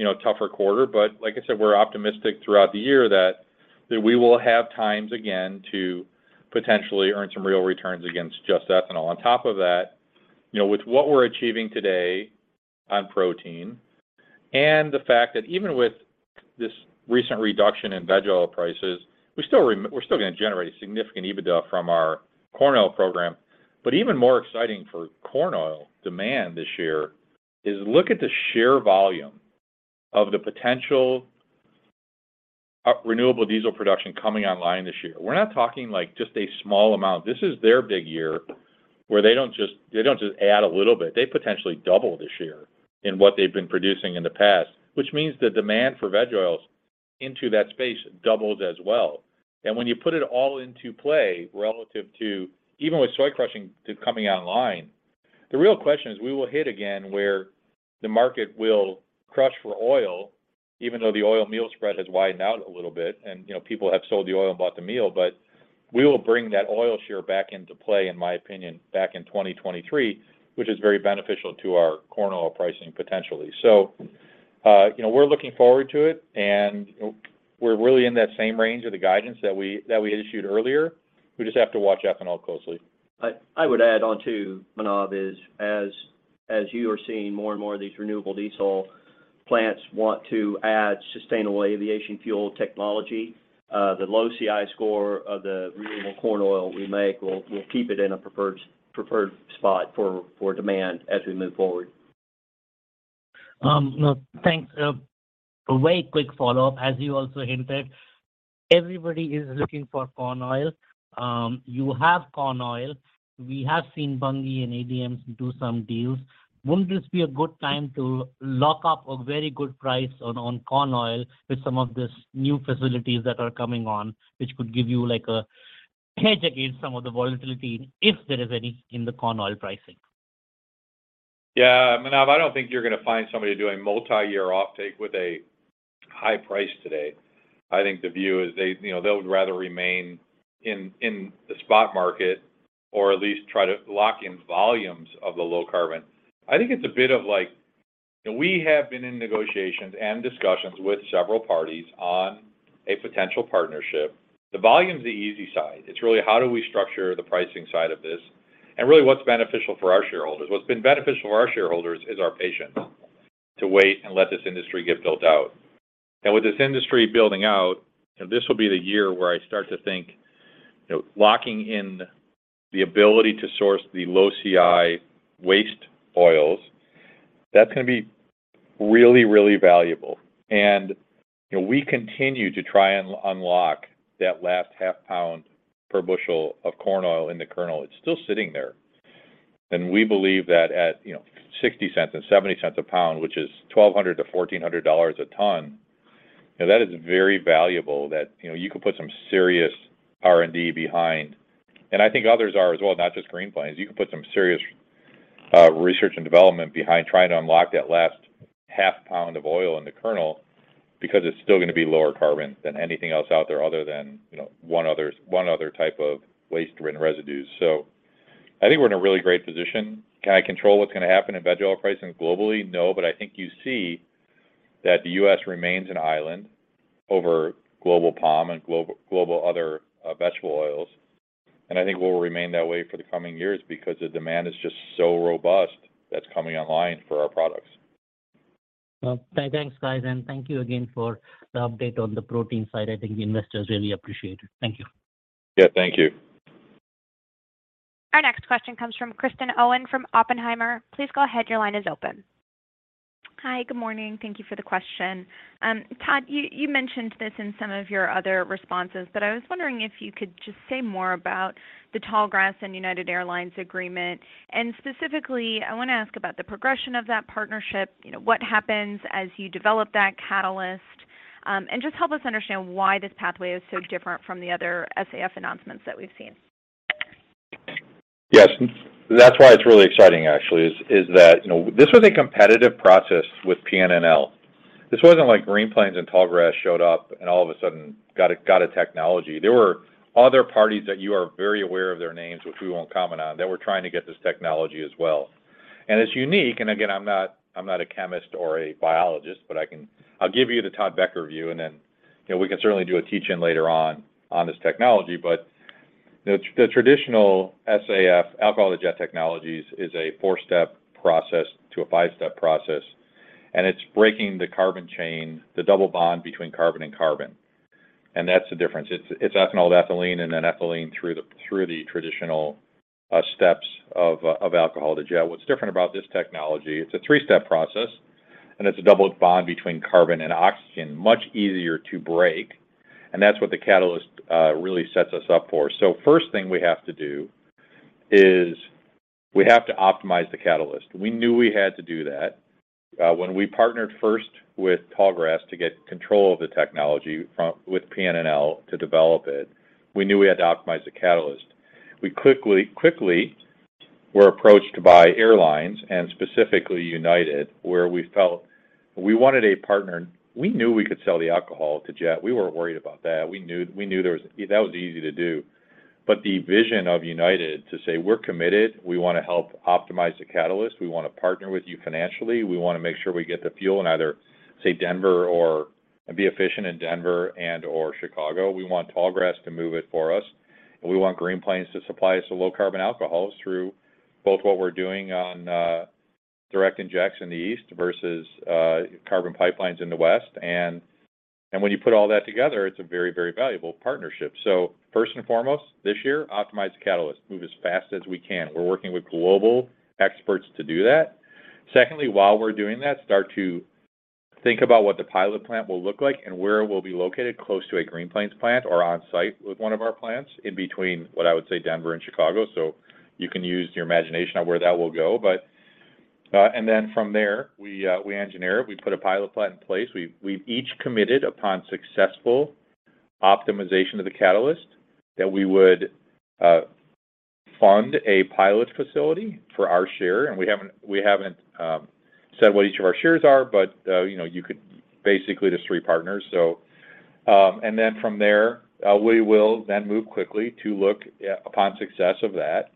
you know, a tougher quarter. Like I said, we're optimistic throughout the year that we will have times again to potentially earn some real returns against just ethanol. On top of that, you know, with what we're achieving today on protein and the fact that even with this recent reduction in veg oil prices, we're still gonna generate a significant EBITDA from our corn oil program. Even more exciting for corn oil demand this year is look at the sheer volume of the potential renewable diesel production coming online this year. We're not talking like just a small amount. This is their big year where they don't just add a little bit. They potentially double this year in what they've been producing in the past, which means the demand for veg oils into that space doubles as well. When you put it all into play relative to even with soy crushing to coming online, the real question is we will hit again where the market will crush for oil, even though the oil meal spread has widened out a little bit and, you know, people have sold the oil and bought the meal, but we will bring that oil share back into play, in my opinion, back in 2023, which is very beneficial to our corn oil pricing potentially. You know, we're looking forward to it, and we're really in that same range of the guidance that we had issued earlier. We just have to watch ethanol closely. I would add on too, Manav, is as you are seeing more and more of these renewable diesel plants want to add sustainable aviation fuel technology, the low CI score of the renewable corn oil we make will keep it in a preferred spot for demand as we move forward. No, thanks. A very quick follow-up. As you also hinted, everybody is looking for corn oil. You have corn oil. We have seen Bunge and ADM do some deals. Wouldn't this be a good time to lock up a very good price on corn oil with some of these new facilities that are coming on, which could give you like a hedge against some of the volatility, if there is any, in the corn oil pricing? Manav, I don't think you're gonna find somebody doing multi-year offtake with a high price today. I think the view is they, you know, they would rather remain in the spot market or at least try to lock in volumes of the low carbon. I think it's a bit of like, we have been in negotiations and discussions with several parties on a potential partnership. The volume's the easy side. It's really how do we structure the pricing side of this, and really what's beneficial for our shareholders. What's been beneficial for our shareholders is our patience to wait and let this industry get built out. With this industry building out, and this will be the year where I start to think, you know, locking in the ability to source the low-CI waste oils, that's gonna be really valuable. you know, we continue to try and unlock that last half pound per bushel of corn oil in the kernel. It's still sitting there. We believe that at, you know, $0.60 and $0.70 a pound, which is $1,200-$1,400 a ton, you know, that is very valuable that, you know, you could put some serious R&D behind. I think others are as well, not just Green Plains. You could put some serious research and development behind trying to unlock that last half pound of oil in the kernel because it's still gonna be lower carbon than anything else out there other than, you know, one other type of waste-ridden residues. I think we're in a really great position. Can I control what's gonna happen in veg oil pricing globally? But I think you see that the U.S. remains an island over global palm and global other, vegetable oils. I think we'll remain that way for the coming years because the demand is just so robust that's coming online for our products. Well, thanks, guys, and thank you again for the update on the protein side. I think the investors really appreciate it. Thank you. Yeah, thank you. Our next question comes from Kristen Owen from Oppenheimer. Please go ahead. Your line is open. Hi. Good morning. Thank you for the question. Todd, you mentioned this in some of your other responses, but I was wondering if you could just say more about the Tallgrass and United Airlines agreement. Specifically, I want to ask about the progression of that partnership, you know, what happens as you develop that catalyst, and just help us understand why this pathway is so different from the other SAF announcements that we've seen. Yes. That's why it's really exciting, actually, is that, you know, this was a competitive process with PNNL. This wasn't like Green Plains and Tallgrass showed up and all of a sudden got a technology. There were other parties that you are very aware of their names, which we won't comment on, that were trying to get this technology as well. It's unique, and again, I'm not, I'm not a chemist or a biologist, but I'll give you the Todd Becker view, and then, you know, we can certainly do a teach-in later on on this technology. The traditional SAF, alcohol-to-jet technologies is a four-step process to a five-step process, and it's breaking the carbon chain, the double bond between carbon and carbon. That's the difference. It's ethanol to ethylene, then ethylene through the traditional steps of alcohol-to-jet. What's different about this technology, it's a three-step process, and it's a double bond between carbon and oxygen, much easier to break. That's what the catalyst really sets us up for. First thing we have to do is we have to optimize the catalyst. We knew we had to do that. When we partnered first with Tallgrass to get control of the technology from, with PNNL to develop it, we knew we had to optimize the catalyst. We quickly were approached by airlines, and specifically United, where we felt we wanted a partner. We knew we could sell the alcohol-to-jet. We weren't worried about that. We knew there was. That was easy to do. The vision of United to say, "We're committed. We want to help optimize the catalyst. We want to partner with you financially. We want to make sure we get the fuel in either, say, Denver or be efficient in Denver and/or Chicago. We want Tallgrass to move it for us, and we want Green Plains to supply us with low carbon alcohols through both what we're doing on direct injects in the East versus carbon pipelines in the West." When you put all that together, it's a very, very valuable partnership. First and foremost, this year, optimize the catalyst. Move as fast as we can. We're working with global experts to do that. Secondly, while we're doing that, start to think about what the pilot plant will look like and where it will be located close to a Green Plains plant or on site with one of our plants in between, what I would say, Denver and Chicago. You can use your imagination on where that will go. From there, we engineer it. We put a pilot plant in place. We've each committed upon successful optimization of the catalyst that we would fund a pilot facility for our share. We haven't said what each of our shares are, you know, you could basically just three partners. From there, we will then move quickly to look upon success of that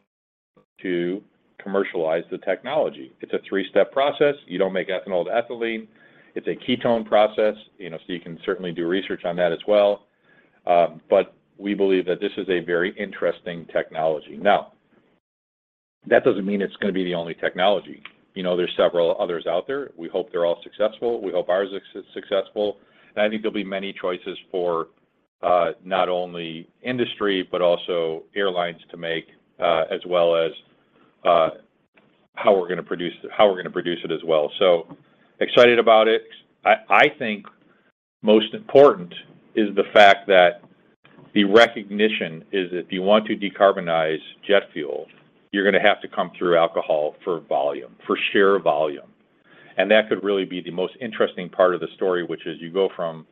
to commercialize the technology. It's a three-step process. You don't make ethanol to ethylene. It's a ketone process, you know, so you can certainly do research on that as well. We believe that this is a very interesting technology. Now, that doesn't mean it's gonna be the only technology. You know, there's several others out there. We hope they're all successful. We hope ours is successful. I think there'll be many choices for not only industry, but also airlines to make as well as how we're gonna produce it as well. Excited about it. I think most important is the fact that the recognition is if you want to decarbonize jet fuel, you're gonna have to come through alcohol for volume, for sheer volume. That could really be the most interesting part of the story, which is you go from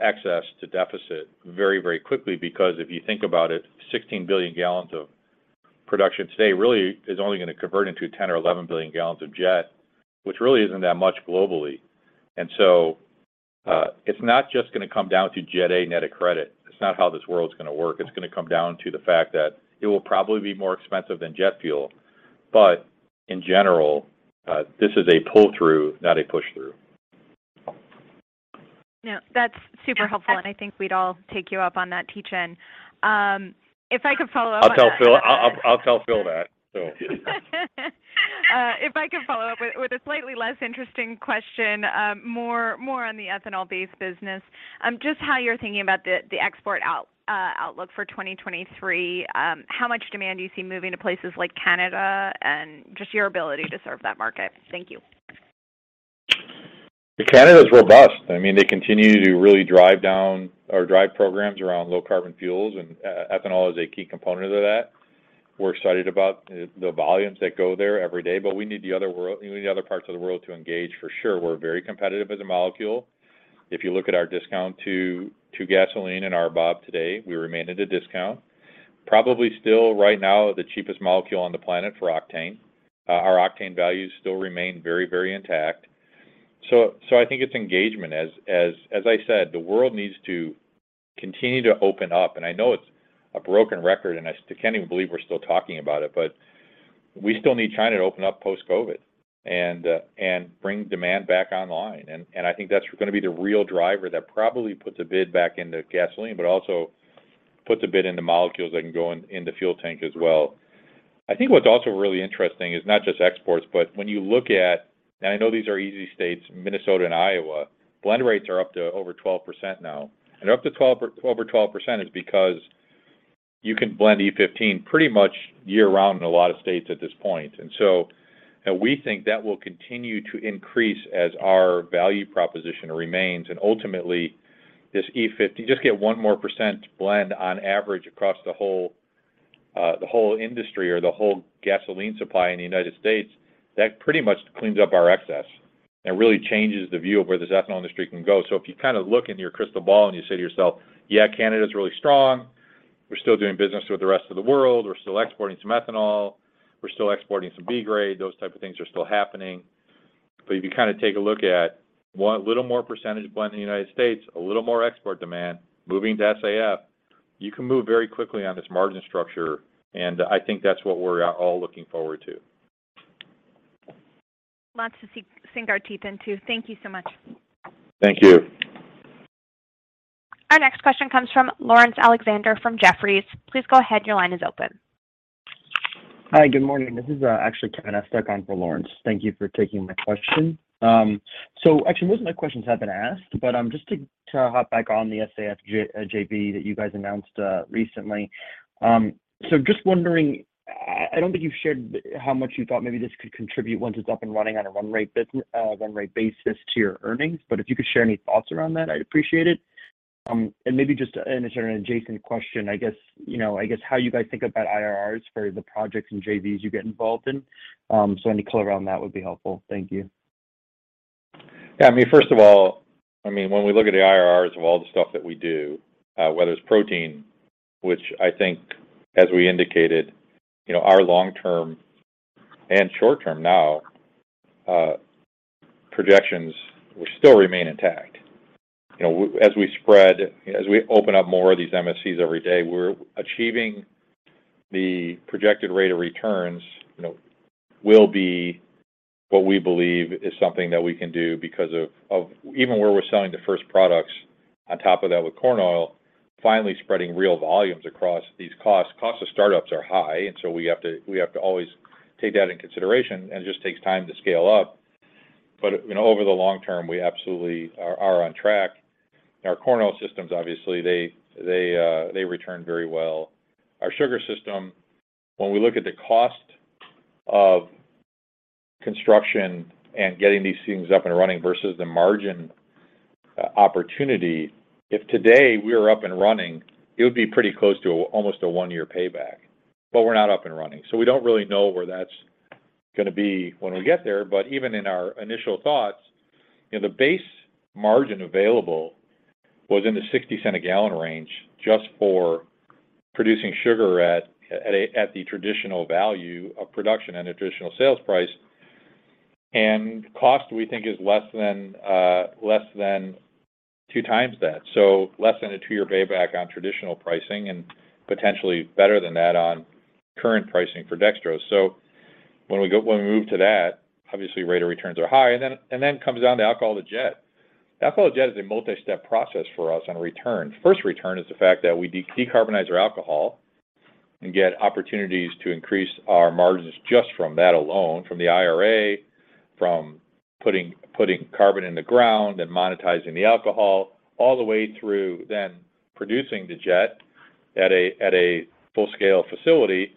excess to deficit very, very quickly because if you think about it, 16 billion gallons of production today really is only going to convert into 10 billion or 11 billion gallons of jet, which really isn't that much globally. It's not just going to come down to Jet A net of credit. It's not how this world's going to work. It's going to come down to the fact that it will probably be more expensive than jet fuel. In general, this is a pull-through, not a push-through. No, that's super helpful, and I think we'd all take you up on that teach-in. If I could follow up. I'll tell Phil, I'll tell Phil that, so. If I could follow up with a slightly less interesting question, more on the ethanol-based business, just how you're thinking about the export outlook for 2023. How much demand do you see moving to places like Canada and just your ability to serve that market? Thank you. Canada is robust. I mean, they continue to really drive down or drive programs around low carbon fuels, and e-ethanol is a key component of that. We're excited about the volumes that go there every day, but we need the other parts of the world to engage for sure. We're very competitive as a molecule. If you look at our discount to gasoline and RBOB today, we remain at a discount. Probably still right now, the cheapest molecule on the planet for octane. Our octane values still remain very intact. I think it's engagement. As I said, the world needs to continue to open up. I know it's a broken record, and I still can't even believe we're still talking about it, but we still need China to open up post-COVID and bring demand back online. I think that's going to be the real driver that probably puts a bid back into gasoline, but also puts a bid into molecules that can go in the fuel tank as well. I think what's also really interesting is not just exports, but when you look at, and I know these are easy states, Minnesota and Iowa, blend rates are up to over 12% now. Up to over 12% is because you can blend E15 pretty much year-round in a lot of states at this point. We think that will continue to increase as our value proposition remains. Ultimately, this E15, just get 1% more blend on average across the whole, the whole industry or the whole gasoline supply in the United States, that pretty much cleans up our excess and really changes the view of where this ethanol industry can go. If you kind of look in your crystal ball and you say to yourself, "Yeah, Canada's really strong. We're still doing business with the rest of the world. We're still exporting some ethanol. We're still exporting some B Grade." Those type of things are still happening. If you take a look at little more percentage blend in the United States, a little more export demand, moving to SAF, you can move very quickly on this margin structure, and I think that's what we're all looking forward to. Lots to sink our teeth into. Thank you so much. Thank you. Our next question comes from Laurence Alexander from Jefferies. Please go ahead. Your line is open. Hi. Good morning. This is actually Kevin Estok for Laurence. Thank you for taking my question. Actually, most of my questions have been asked, but just to hop back on the SAF JV that you guys announced recently. Just wondering, I don't think you've shared how much you thought maybe this could contribute once it's up and running on a run rate basis to your earnings, but if you could share any thoughts around that, I'd appreciate it. And maybe just an adjacent question, I guess, you know, I guess how you guys think about IRRs for the projects and JVs you get involved in. Any color around that would be helpful. Thank you. Yeah. I mean, first of all, I mean, when we look at the IRRs of all the stuff that we do, whether it's protein, which I think as we indicated, you know, our long-term and short-term now, projections will still remain intact. You know, as we spread, as we open up more of these MSCs every day, we're achieving the projected rate of returns, you know, will be what we believe is something that we can do because of even where we're selling the first products on top of that with corn oil, finally spreading real volumes across these costs. Costs of startups are high, so we have to always take that into consideration, and it just takes time to scale up. You know, over the long term, we absolutely are on track. Our corn oil systems, obviously, they return very well. Our sugar system, when we look at the cost of construction and getting these things up and running versus the margin opportunity, if today we are up and running, it would be pretty close to almost a one-year payback. We're not up and running, so we don't really know where that's gonna be when we get there. Even in our initial thoughts, you know, the base margin available was in the $0.60 a gallon range just for producing sugar at the traditional value of production and a traditional sales price. Cost, we think, is less than two times that. Less than a two-year payback on traditional pricing and potentially better than that on current pricing for dextrose. When we move to that, obviously rate of returns are high, then it comes down to alcohol-to-jet. Alcohol-to-jet is a multi-step process for us on return. First return is the fact that we decarbonize our alcohol and get opportunities to increase our margins just from that alone, from the IRA, from putting carbon in the ground and monetizing the alcohol, all the way through then producing the jet at a full-scale facility,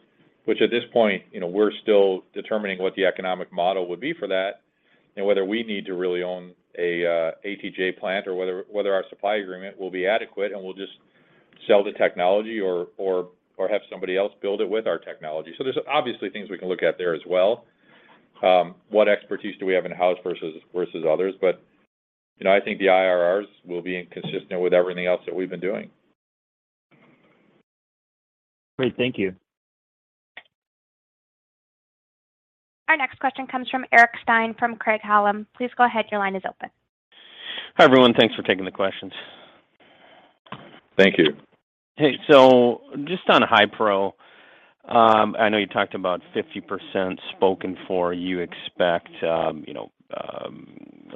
which at this point, you know, we're still determining what the economic model would be for that and whether we need to really own an ATJ plant or whether our supply agreement will be adequate, and we'll just sell the technology or have somebody else build it with our technology. There's obviously things we can look at there as well. What expertise do we have in-house versus others. You know, I think the IRRs will be inconsistent with everything else that we've been doing. Great. Thank you. Our next question comes from Eric Stine from Craig-Hallum. Please go ahead, your line is open. Hi, everyone. Thanks for taking the questions. Thank you. Hey. Just on High Pro, I know you talked about 50% spoken for you expect, you know,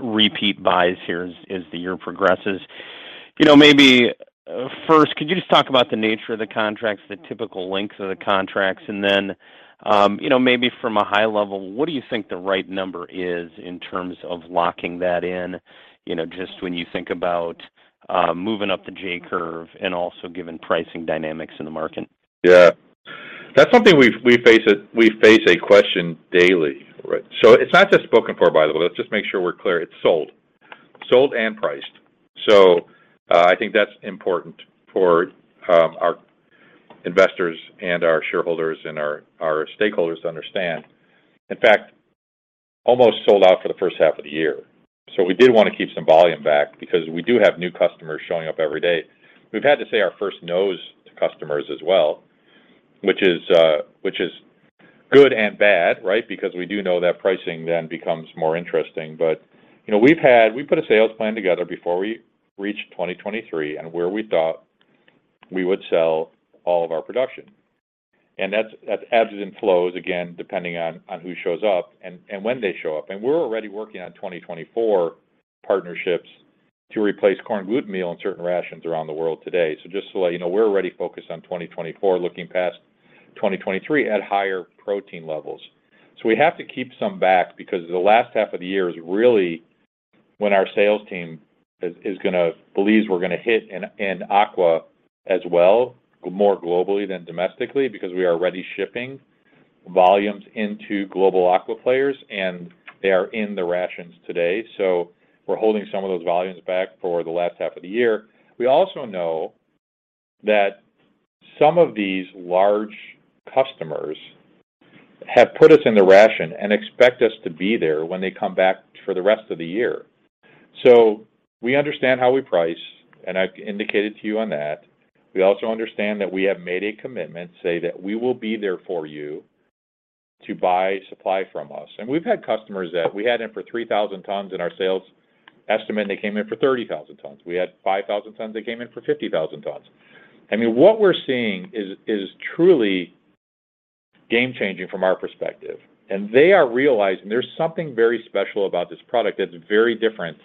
repeat buys here as the year progresses. You know, maybe, first could you just talk about the nature of the contracts, the typical length of the contracts, and then, you know, maybe from a high level, what do you think the right number is in terms of locking that in, you know, just when you think about, moving up the J-curve and also given pricing dynamics in the market? Yeah. That's something we face a question daily, right? It's not just spoken for, by the way. Let's just make sure we're clear. It's sold. Sold and priced. I think that's important for our investors and our shareholders and our stakeholders to understand. In fact, almost sold out for the first half of the year. We did wanna keep some volume back because we do have new customers showing up every day. We've had to say our first nos to customers as well, which is good and bad, right? Because we do know that pricing then becomes more interesting. You know, We put a sales plan together before we reached 2023 and where we thought we would sell all of our production. That's, that's ebbs and flows, again, depending on who shows up and when they show up. We're already working on 2024 partnerships to replace corn gluten meal in certain rations around the world today. Just to let you know, we're already focused on 2024, looking past 2023 at higher protein levels. We have to keep some back because the last half of the year is really when our sales team is, believes we're gonna hit in aqua as well, more globally than domestically, because we are already shipping volumes into global aqua players, and they are in the rations today. We're holding some of those volumes back for the last half of the year. We also know that some of these large customers have put us in the ration and expect us to be there when they come back for the rest of the year. We understand how we price, and I've indicated to you on that. We also understand that we have made a commitment, say, that we will be there for you to buy supply from us. We've had customers that we had in for 3,000 tons in our sales estimate, and they came in for 30,000 tons. We had 5,000 tons, they came in for 50,000 tons. I mean, what we're seeing is truly game-changing from our perspective. They are realizing there's something very special about this product that's very different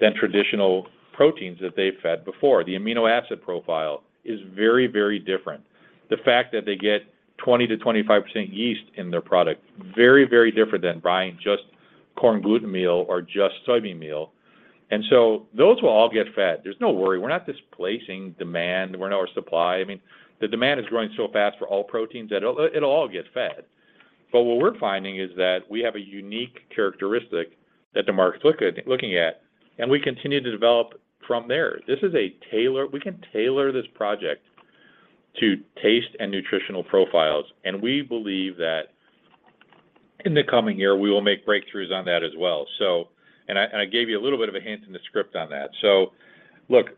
than traditional proteins that they fed before. The amino acid profile is very, very different. The fact that they get 20%-25% yeast in their product, very, very different than buying just corn gluten meal or just soybean meal. Those will all get fed. There's no worry. We're not displacing demand. We're not our supply. I mean, the demand is growing so fast for all proteins that it'll all get fed. What we're finding is that we have a unique characteristic that the market's looking at, and we continue to develop from there. We can tailor this project to taste and nutritional profiles, and we believe that in the coming year, we will make breakthroughs on that as well. I gave you a little bit of a hint in the script on that. Look,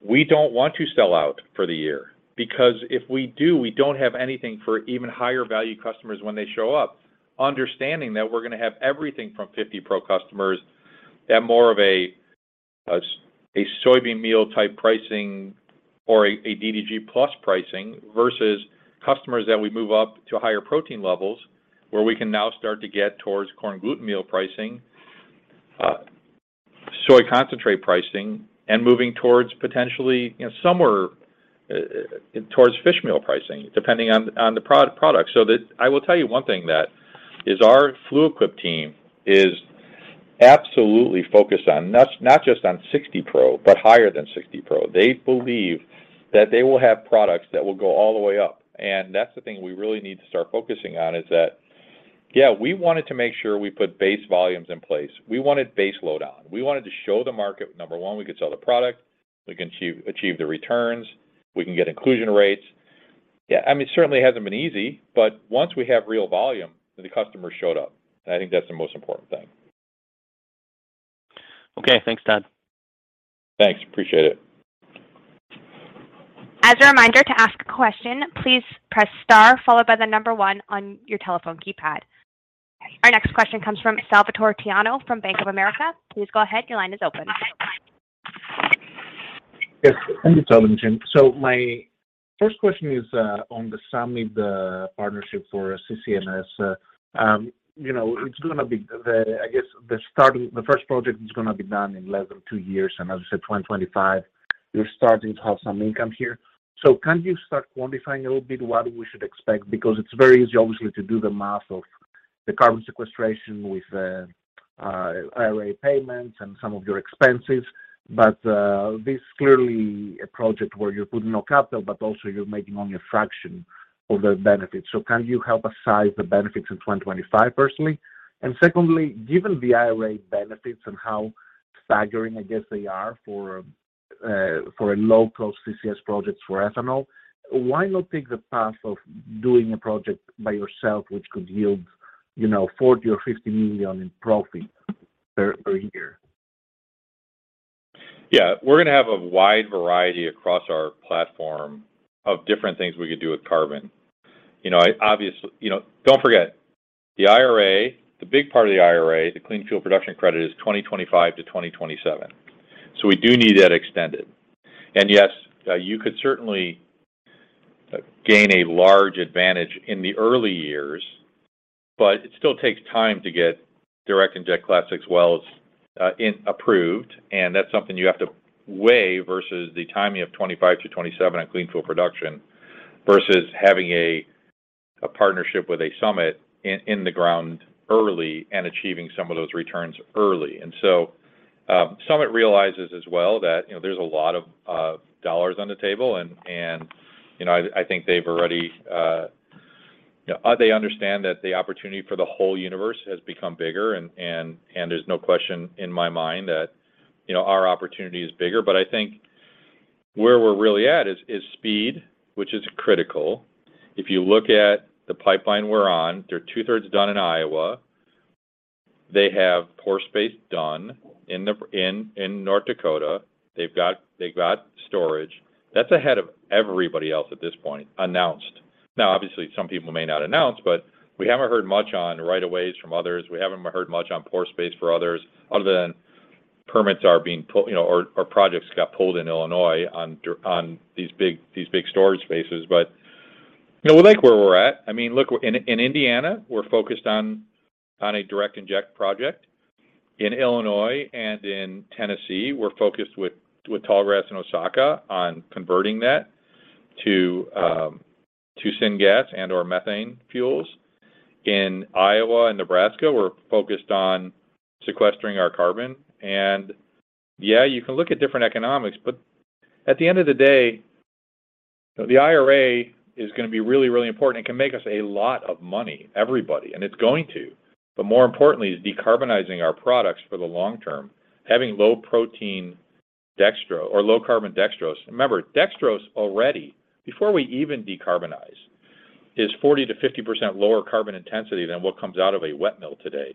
we don't want to sell out for the year because if we do, we don't have anything for even higher value customers when they show up, understanding that we're gonna have everything from 50 pro customers at more of a soybean meal type pricing or a DDG plus pricing versus customers that we move up to higher protein levels, where we can now start to get towards corn gluten meal pricing, soy concentrate pricing, and moving towards potentially, you know, somewhere towards fish meal pricing, depending on the product. I will tell you one thing that is our Flu Quip team is absolutely focused on, not just on 60 pro, but higher than 60 pro. They believe that they will have products that will go all the way up. That's the thing we really need to start focusing on, is that, yeah, we wanted to make sure we put base volumes in place. We wanted base load on. We wanted to show the market, number one, we could sell the product, we can achieve the returns, we can get inclusion rates. Yeah, I mean, certainly hasn't been easy, but once we have real volume, the customer showed up, and I think that's the most important thing. Okay. Thanks, Todd. Thanks. Appreciate it. As a reminder, to ask a question, please press star followed by number 1 on your telephone keypad. Our next question comes from Salvator Tiano from Bank of America. Please go ahead, your line is open. Yes. Thank you, Todd and team. My first question is on the Summit, the partnership for CCS. you know, it's gonna be the first project is gonna be done in less than two years. As you said, 2025, you're starting to have some income here. Can you start quantifying a little bit what we should expect? It's very easy obviously to do the math of the carbon sequestration with the IRA payments and some of your expenses. This clearly a project where you put no capital, but also you're making only a fraction of the benefits. Can you help us size the benefits in 2025, personally? Secondly, given the IRA benefits and how staggering I guess they are for a low-cost CCS projects for ethanol, why not take the path of doing a project by yourself which could yield, you know, $40 million or $50 million in profit per year? Yeah. We're gonna have a wide variety across our platform of different things we could do with carbon. You know, don't forget, the IRA, the big part of the IRA, the Clean Fuel Production Credit is 2025 to 2027. We do need that extended. Yes, you could certainly gain a large advantage in the early years, but it still takes time to get direct inject Class VI wells approved. That's something you have to weigh versus the timing of 2025 to 2027 on Clean Fuel Production versus having a partnership with a Summit in the ground early and achieving some of those returns early. Summit realizes as well that, you know, there's a lot of dollars on the table. you know, I think they've already, you know, They understand that the opportunity for the whole universe has become bigger and there's no question in my mind that, you know, our opportunity is bigger. I think where we're really at is speed, which is critical. If you look at the pipeline we're on, they're two-thirds done in Iowa. They have pore space done in North Dakota. They've got storage. That's ahead of everybody else at this point, announced. Obviously, some people may not announce, but we haven't heard much on right of ways from others. We haven't heard much on pore space for others other than permits are being pulled, you know, or projects got pulled in Illinois on these big storage spaces. you know, we like where we're at. I mean, look, In Indiana, we're focused on a direct inject project. In Illinois and in Tennessee, we're focused with Tallgrass and Osaka on converting that to syngas and/or methane fuels. In Iowa and Nebraska, we're focused on sequestering our carbon. Yeah, you can look at different economics, at the end of the day, the IRA is gonna be really, really important. It can make us a lot of money, everybody, and it's going to. More importantly, is decarbonizing our products for the long term, having low protein dextrose or low carbon dextrose. Remember, dextrose already, before we even decarbonize, is 40%-50% lower carbon intensity than what comes out of a wet mill today.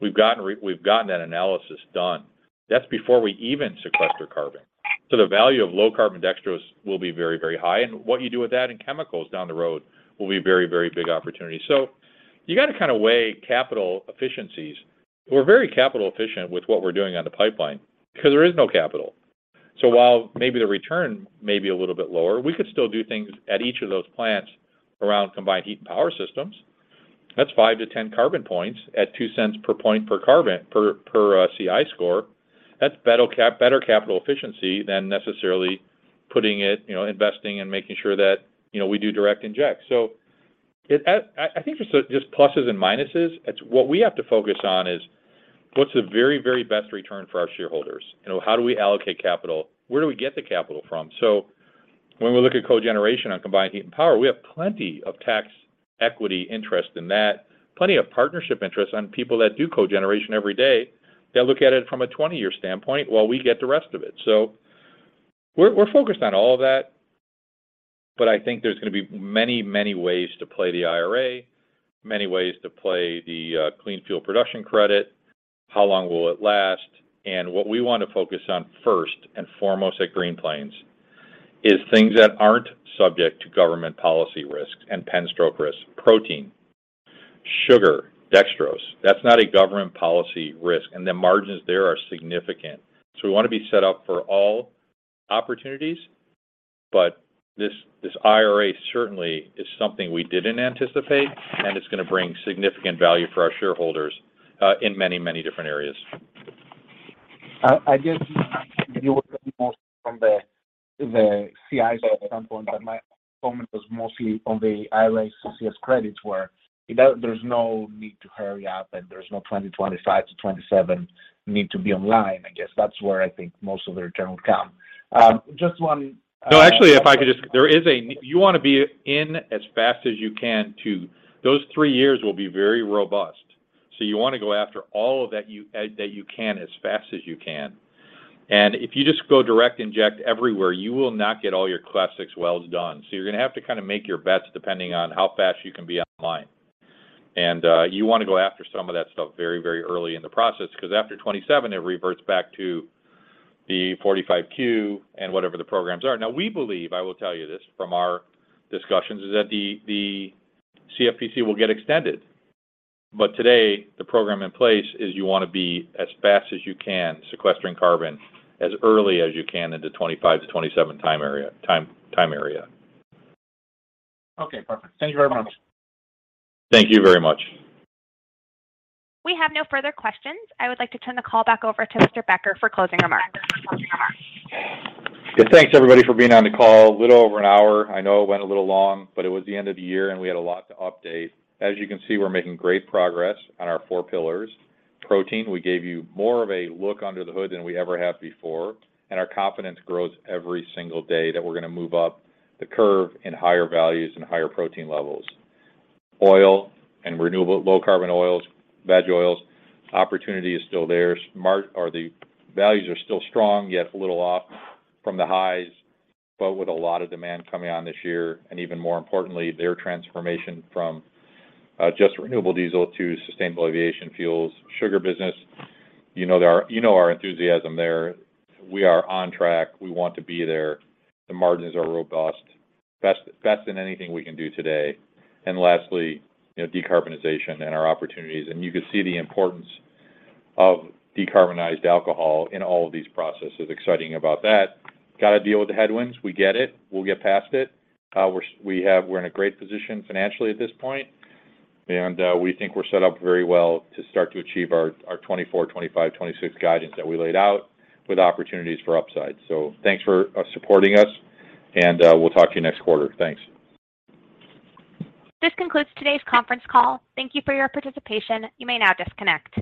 We've gotten that analysis done. That's before we even sequester carbon. The value of low carbon dextrose will be very, very high. What you do with that in chemicals down the road will be a very, very big opportunity. You got to kind of weigh capital efficiencies. We're very capital efficient with what we're doing on the pipeline because there is no capital. While maybe the return may be a little bit lower, we could still do things at each of those plants around combined heat and power systems. That's five to 10 carbon points at $0.02 per point per carbon per CI score. That's better capital efficiency than necessarily putting it, you know, investing and making sure that, you know, we do direct inject. I think there's just pluses and minuses. It's what we have to focus on is what's the very, very best return for our shareholders. You know, how do we allocate capital? Where do we get the capital from? When we look at cogeneration on combined heat and power, we have plenty of tax equity interest in that, plenty of partnership interest on people that do cogeneration every day. They look at it from a 20-year standpoint while we get the rest of it. We're focused on all of that, but I think there's going to be many, many ways to play the IRA, many ways to play the Clean Fuel Production Credit. How long will it last? What we want to focus on first and foremost at Green Plains is things that aren't subject to government policy risks and pen stroke risks. Protein, sugar, dextrose, that's not a government policy risk. The margins there are significant. We want to be set up for all opportunities. This IRA certainly is something we didn't anticipate, and it's going to bring significant value for our shareholders in many, many different areas. I guess you were mostly from the CI side standpoint. My comment was mostly on the IRA CCS credits where, you know, there's no need to hurry up, there's no 2025-2027 need to be online. I guess that's where I think most of the return will come. No, actually, if I could just. You want to be in as fast as you can to. Those three years will be very robust. You want to go after all of that you can as fast as you can. If you just go direct inject everywhere, you will not get all your Class VI wells done. You're going to have to kind of make your bets depending on how fast you can be online. You want to go after some of that stuff very, very early in the process because after 27, it reverts back to the 45Q and whatever the programs are. We believe, I will tell you this from our discussions, is that the CFPC will get extended. Today, the program in place is you want to be as fast as you can, sequestering carbon as early as you can into 2025-2027 time area. Okay. Perfect. Thank you very much. Thank you very much. We have no further questions. I would like to turn the call back over to Mr. Becker for closing remarks. Thanks, everybody, for being on the call. A little over an hour. I know it went a little long, but it was the end of the year, and we had a lot to update. As you can see, we're making great progress on our four pillars. Protein, we gave you more of a look under the hood than we ever have before, and our confidence grows every single day that we're going to move up the curve in higher values and higher protein levels. Oil and renewable low carbon oils, veg oils, opportunity is still there. The values are still strong, yet a little off from the highs, but with a lot of demand coming on this year, and even more importantly, their transformation from just renewable diesel to sustainable aviation fuels. Sugar business, you know our enthusiasm there. We are on track. We want to be there. The margins are robust. Best than anything we can do today. Lastly, you know, decarbonization and our opportunities. You could see the importance of decarbonized alcohol in all of these processes. Exciting about that. Got to deal with the headwinds. We get it. We'll get past it. We're in a great position financially at this point. We think we're set up very well to start to achieve our 2024, 2025, 2026 guidance that we laid out with opportunities for upside. Thanks for supporting us. We'll talk to you next quarter. Thanks. This concludes today's conference call. Thank you for your participation. You may now disconnect.